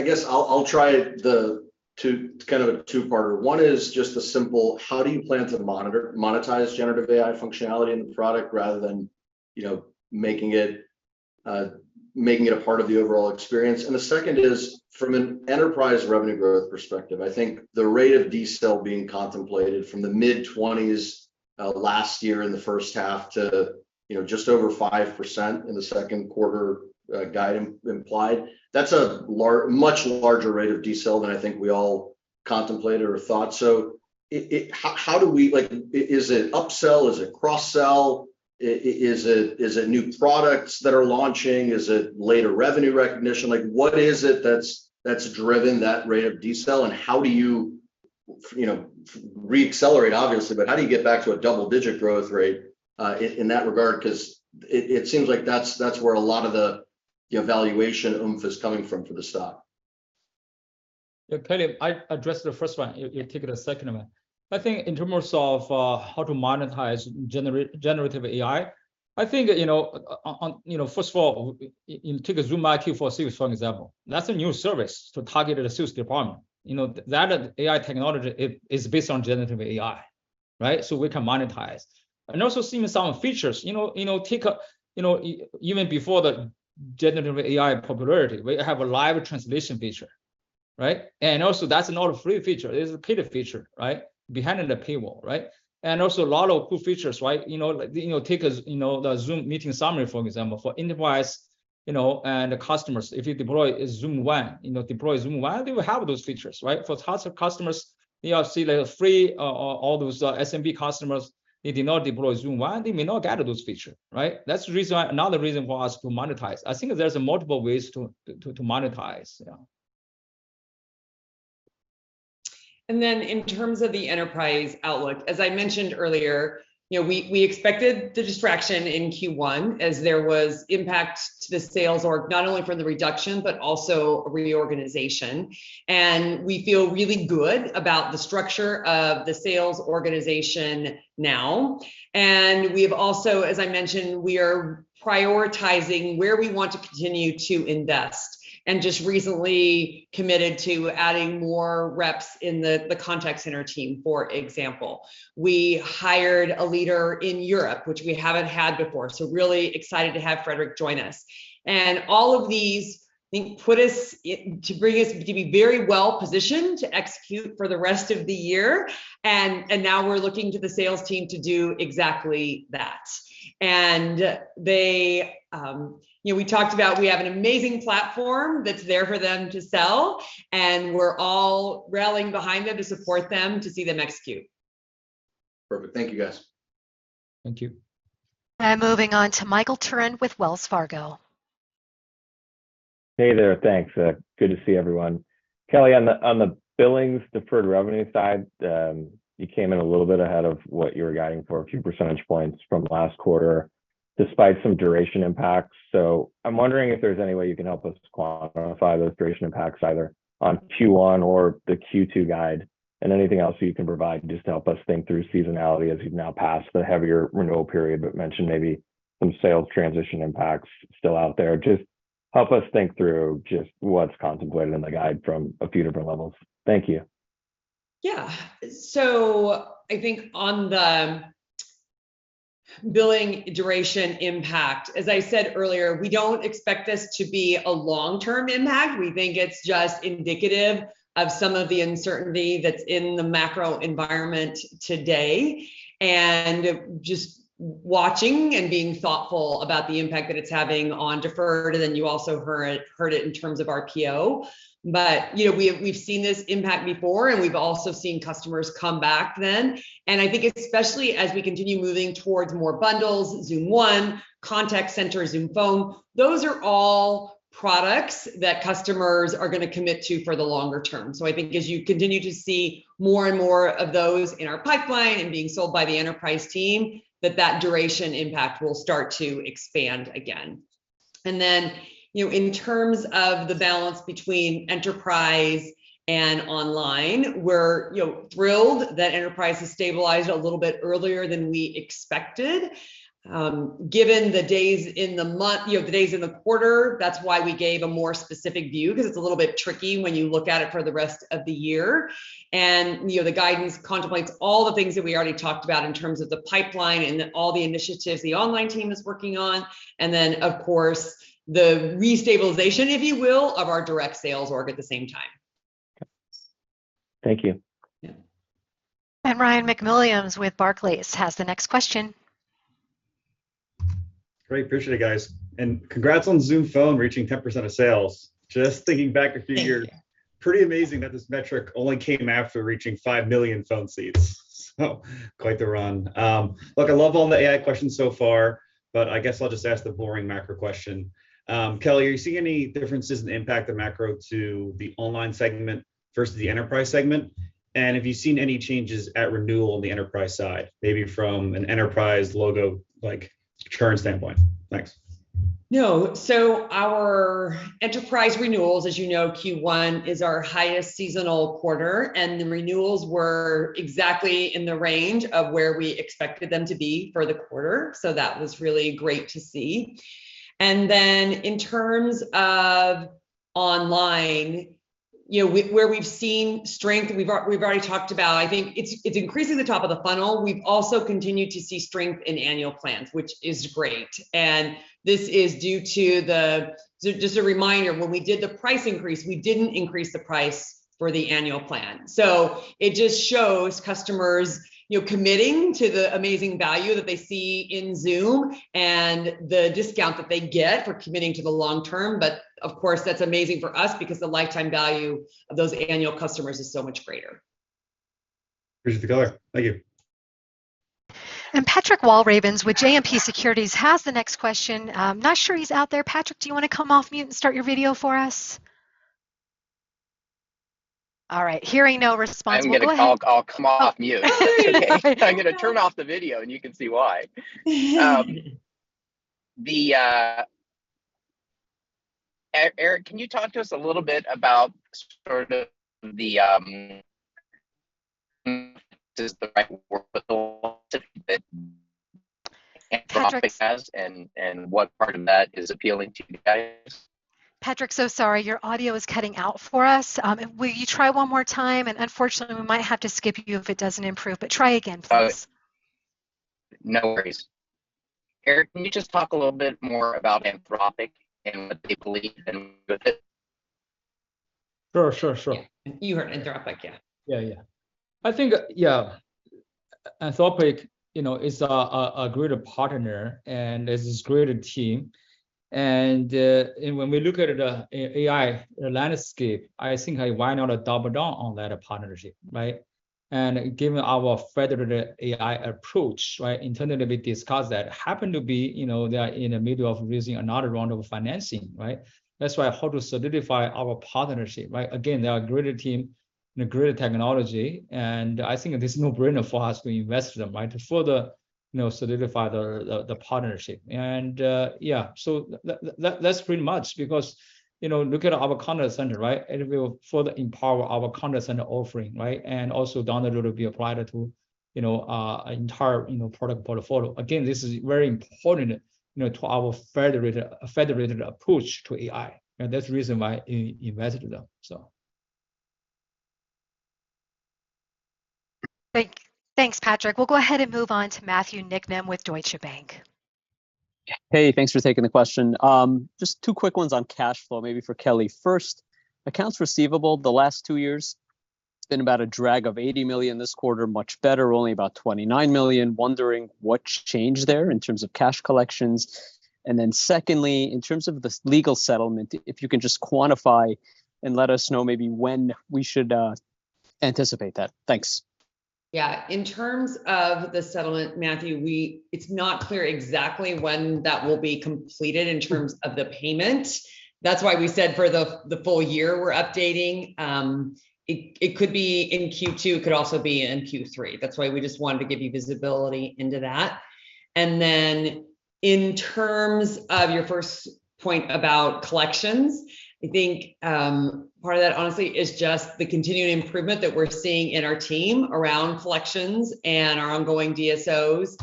guess I'll try the two. It's kind of a two-parter. One is just a simple: how do you plan to monetize generative AI functionality in the product rather than, you know, making it a part of the overall experience? The second is from an enterprise revenue growth perspective, I think the rate of decel being contemplated from the mid-twenties last year in the first half to, you know, just over 5% in the second quarter guide implied. That's a much larger rate of decel than I think we all contemplated or thought. How do we? Is it upsell? Is it cross-sell? Is it new products that are launching? Is it later revenue recognition? Like, what is it that's driven that rate of decel, and how do you know, re-accelerate, obviously, but how do you get back to a double-digit growth rate in that regard? 'Cause it seems like that's where a lot of the valuation oomph is coming from for the stock. Yeah, Kelly, I address the first one. You take it a second one. I think in terms of how to monetize generative AI, I think, you know, on, you know, first of all, you know, take a Zoom IQ for Sales, for example. That's a new service to targeted sales department. You know, that AI technology is based on generative AI, right? We can monetize. Also seeing some features. You know, take a, you know, even before the generative AI popularity, we have a live translation feature, right? Also, that's not a free feature. It is a paid feature, right? Behind the paywall, right? Also a lot of cool features, right? You know, like, you know, take a, you know, the Zoom Meeting Summary, for example. For Enterprise, you know, and the customers, if you deploy Zoom One, you know, deploy Zoom One, they will have those features, right? For tons of customers, you know, see like free, all those SMB customers, they did not deploy Zoom One, they may not get those feature, right? That's the reason, another reason for us to monetize. I think there's multiple ways to monetize. Yeah. In terms of the Enterprise outlook, as I mentioned earlier, you know, we expected the distraction in Q1 as there was impact to the sales org, not only from the reduction but also reorganization. We feel really good about the structure of the sales organization now. We've also, as I mentioned, we are prioritizing where we want to continue to invest, and just recently committed to adding more reps in the Contact Center team, for example. We hired a leader in Europe, which we haven't had before, so really excited to have Frederick join us. All of these I think put us to bring us to be very well-positioned to execute for the rest of the year and now we're looking to the sales team to do exactly that. You know, we talked about we have an amazing platform that's there for them to sell. We're all rallying behind them to support them to see them execute. Perfect. Thank you, guys. Thank you. Moving on to Michael Turrin with Wells Fargo. Hey there. Thanks. good to see everyone. Kelly, on the billings deferred revenue side, you came in a little bit ahead of what you were guiding for, a few percentage points from last quarter despite some duration impacts. I'm wondering if there's any way you can help us quantify those duration impacts either on Q1 or the Q2 guide and anything else you can provide just to help us think through seasonality as you've now passed the heavier renewal period, but mentioned maybe some sales transition impacts still out there. Just help us think through what's contemplated in the guide from a few different levels. Thank you. Yeah. I think on the billing duration impact, as I said earlier, we don't expect this to be a long-term impact. We think it's just indicative of some of the uncertainty that's in the macro environment today and just watching and being thoughtful about the impact that it's having on deferred, and then you also heard it in terms of RPO. You know, we've seen this impact before, and we've also seen customers come back then, and I think especially as we continue moving towards more bundles, Zoom One, Contact Center, Zoom Phone, those are all products that customers are gonna commit to for the longer term. I think as you continue to see more and more of those in our pipeline and being sold by the Enterprise team, that duration impact will start to expand again. Then, you know, in terms of the balance between Enterprise and Online, we're, you know, thrilled that Enterprise has stabilized a little bit earlier than we expected. Given the days in the month, you know, the days in the quarter, that's why we gave a more specific view, because it's a little bit tricky when you look at it for the rest of the year. You know, the guidance contemplates all the things that we already talked about in terms of the pipeline and all the initiatives the Online team is working on and then of course the restabilization, if you will, of our direct sales org at the same time. Okay. Thank you. Yeah. Ryan MacWilliams with Barclays has the next question. Great. Appreciate it, guys. Congrats on Zoom Phone reaching 10% of sales. Just thinking back a few years- Thank you. Pretty amazing that this metric only came after reaching 5 million phone seats. Quite the run. look, I love all the AI questions so far, but I guess I'll just ask the boring macro question. Kelly, are you seeing any differences in the impact of macro to the Online segment versus the Enterprise segment? Have you seen any changes at renewal on the Enterprise side, maybe from an Enterprise logo like current standpoint? Thanks. No. Our Enterprise renewals, as you know, Q1 is our highest seasonal quarter, the renewals were exactly in the range of where we expected them to be for the quarter. That was really great to see. In terms of Online, you know, where we've seen strength, we've already talked about, I think it's increasing the top of the funnel. We've also continued to see strength in annual plans, which is great, this is due to the... Just a reminder, when we did the price increase, we didn't increase the price for the annual plan. It just shows customers, you know, committing to the amazing value that they see in Zoom and the discount that they get for committing to the long term. Of course, that's amazing for us because the lifetime value of those annual customers is so much greater. Appreciate the color. Thank you. Patrick Walravens with JMP Securities has the next question. I'm not sure he's out there. Patrick, do you wanna come off mute and start your video for us? All right. Hearing no response, go ahead. I'm gonna... I'll come off mute. Okay. I'm gonna turn off the video, and you can see why. Eric, can you talk to us a little bit about sort of the, and what part of that is appealing to you guys? Patrick, so sorry. Your audio is cutting out for us. Will you try one more time? Unfortunately, we might have to skip you if it doesn't improve. Try again, please. Oh, no worries. Eric, can you just talk a little bit more about Anthropic and what they believe in? Sure, sure. You heard Anthropic, yeah. Yeah. I think, yeah, Anthropic, you know, is a greater partner and is this greater team. When we look at AI landscape, I think why not double down on that partnership, right? Given our federated AI approach, right? Internally we discussed that. Happened to be, you know, they are in the middle of raising another round of financing, right? That's why how to solidify our partnership, right? Again, they are greater team and a greater technology, and I think this is no-brainer for us. We invest in them, right? To further, you know, solidify the partnership. Yeah, so that's pretty much because, you know, look at our Contact Center, right? It will further empower our Contact Center offering, right? Also down the road will be applied to, you know, entire, you know, product portfolio. Again, this is very important, you know, to our federated approach to AI, and that's the reason why we invested them, so. Thanks, Patrick. We'll go ahead and move on to Matthew Niknam with Deutsche Bank. Hey, thanks for taking the question. Just two quick ones on cash flow, maybe for Kelly. First, accounts receivable the last two years, it's been about a drag of $80 million. This quarter, much better, only about $29 million. Wondering what's changed there in terms of cash collections. Secondly, in terms of the legal settlement, if you can just quantify and let us know maybe when we should anticipate that. Thanks. Yeah. In terms of the settlement, Matthew Niknam, it's not clear exactly when that will be completed in terms of the payment. We said for the full year we're updating. It could be in Q2, it could also be in Q3. We just wanted to give you visibility into that. In terms of your first point about collections, I think, part of that honestly is just the continuing improvement that we're seeing in our team around collections and our ongoing DSOs.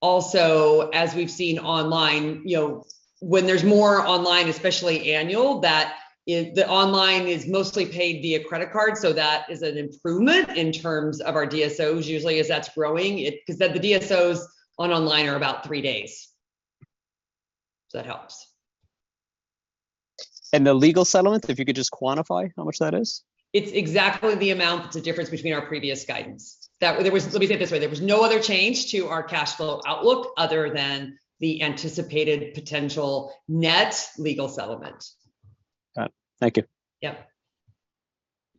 Also, as we've seen Online, you know, when there's more Online, especially annual, the Online is mostly paid via credit card, that is an improvement in terms of our DSOs usually as that's growing. Because the DSOs on Online are about three days. That helps. The legal settlement, if you could just quantify how much that is? It's exactly the amount that's the difference between our previous guidance. Let me say it this way. There was no other change to our cash flow outlook other than the anticipated potential net legal settlement. Got it. Thank you. Yeah.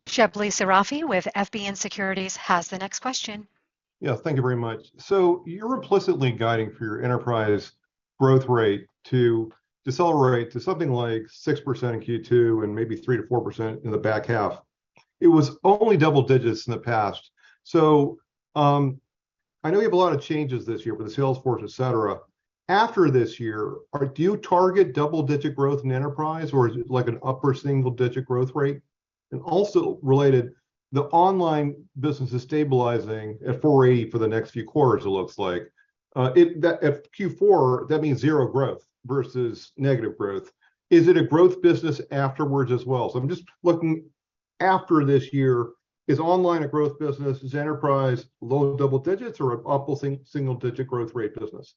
Shebly Seyrafi with FBN Securities has the next question. Yeah, thank you very much. You're implicitly guiding for your Enterprise growth rate to decelerate to something like 6% in Q2 and maybe 3%-4% in the back half. It was only double digits in the past. I know you have a lot of changes this year with the Salesforce, et cetera. After this year, do you target double-digit growth in Enterprise, or is it like an upper single-digit growth rate? Also related, the Online business is stabilizing at $480 for the next few quarters it looks like. If Q4, that means zero growth versus negative growth. Is it a growth business afterwards as well? I'm just looking after this year, is Online a growth business? Is Enterprise low double digits or an upper single-digit growth rate business?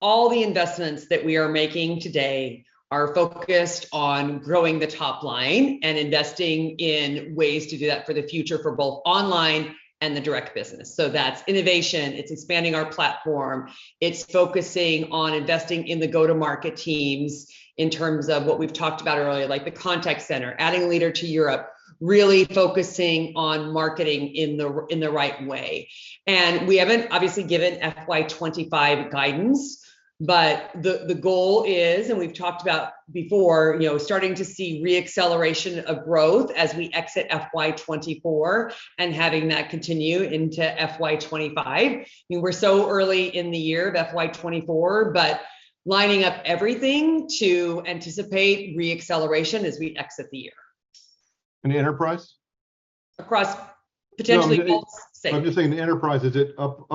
All the investments that we are making today are focused on growing the top line and investing in ways to do that for the future for both Online and the direct business. That's innovation, it's expanding our platform, it's focusing on investing in the go-to-market teams in terms of what we've talked about earlier, like the Contact Center, adding leader to Europe, really focusing on marketing in the right way. We haven't obviously given FY 2025 guidance, but the goal is, and we've talked about before, you know, starting to see re-acceleration of growth as we exit FY 2024 and having that continue into FY 2025. I mean, we're so early in the year of FY 2024, but lining up everything to anticipate re-acceleration as we exit the year. And the Enterprise? Across potentially all- No, I'm. Segments. I'm just saying the Enterprise, is it up,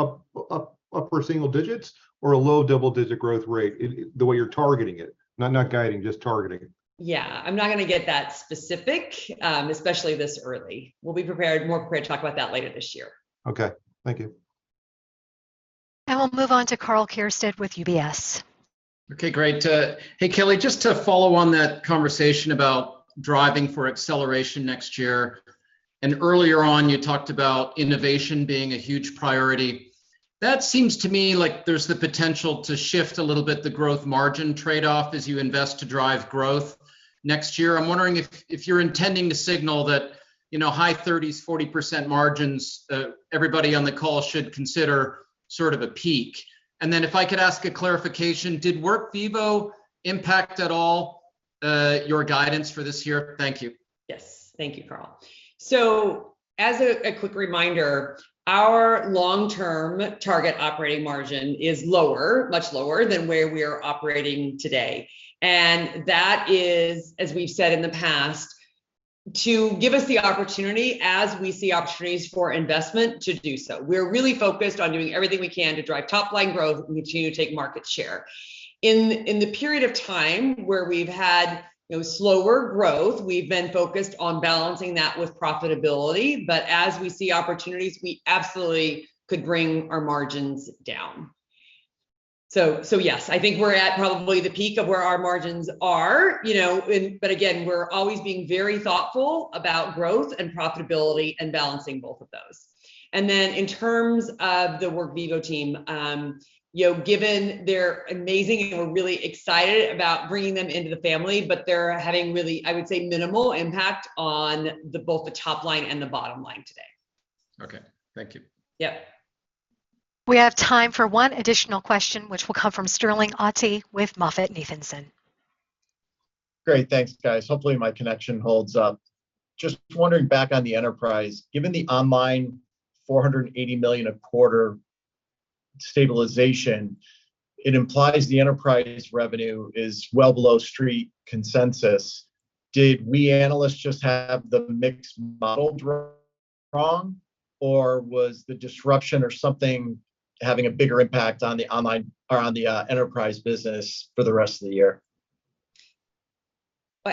upper single digits or a low double-digit growth rate? The way you're targeting it. Not guiding, just targeting it. Yeah. I'm not gonna get that specific, especially this early. We'll be prepared, more prepared to talk about that later this year. Okay. Thank you. We'll move on to Karl Keirstead with UBS. Okay, great. Hey, Kelly, just to follow on that conversation about driving for acceleration next year. Earlier on you talked about innovation being a huge priority. That seems to me like there's the potential to shift a little bit the growth margin trade-off as you invest to drive growth next year. I'm wondering if you're intending to signal that, you know, high 30s, 40% margins, everybody on the call should consider sort of a peak. Then if I could ask a clarification, did Workvivo impact at all, your guidance for this year? Thank you. Yes. Thank you, Karl. As a quick reminder, our long-term target operating margin is lower, much lower than where we are operating today. That is, as we've said in the past, to give us the opportunity as we see opportunities for investment to do so. We're really focused on doing everything we can to drive top-line growth and continue to take market share. In the period of time where we've had, you know, slower growth, we've been focused on balancing that with profitability. As we see opportunities, we absolutely could bring our margins down. Yes, I think we're at probably the peak of where our margins are, you know. Again, we're always being very thoughtful about growth and profitability and balancing both of those. In terms of the Workvivo team, you know, given they're amazing and we're really excited about bringing them into the family, but they're having really, I would say, minimal impact on both the top line and the bottom line today. Okay. Thank you. Yeah. We have time for one additional question, which will come from Sterling Auty with MoffettNathanson. Great. Thanks, guys. Hopefully, my connection holds up. Just wondering back on the Enterprise, given the Online $480 million a quarter stabilization, it implies the Enterprise revenue is well below street consensus. Did we analysts just have the mixed model wrong, or was the disruption or something having a bigger impact on the Online or on the Enterprise business for the rest of the year?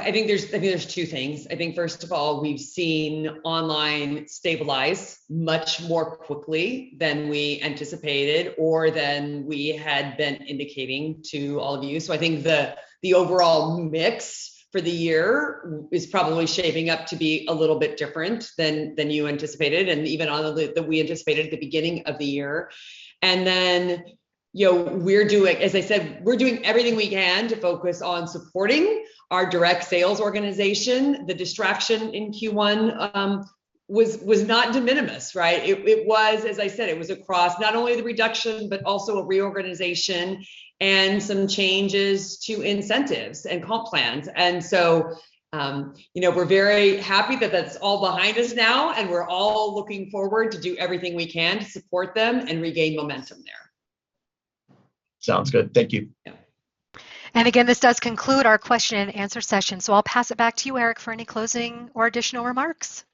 I think there's two things. I think first of all, we've seen Online stabilize much more quickly than we anticipated or than we had been indicating to all of you. I think the overall mix for the year is probably shaping up to be a little bit different than you anticipated, and even on the that we anticipated at the beginning of the year. You know, as I said, we're doing everything we can to focus on supporting our direct sales organization. The distraction in Q1 was not de minimis, right? It was, as I said, it was across not only the reduction, but also a reorganization and some changes to incentives and comp plans. You know, we're very happy that that's all behind us now, and we're all looking forward to do everything we can to support them and regain momentum there. Sounds good. Thank you. Yeah. Again, this does conclude our question and answer session, so I'll pass it back to you, Eric, for any closing or additional remarks.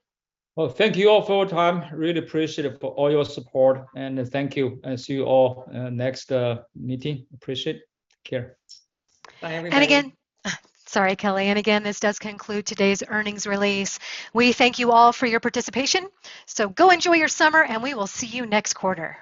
Well, thank you all for your time. Really appreciative for all your support. Thank you, and see you all next meeting. Appreciate. Take care. Bye, everybody. Sorry, Kelly. Again, this does conclude today's earnings release. We thank you all for your participation. Go enjoy your summer, and we will see you next quarter.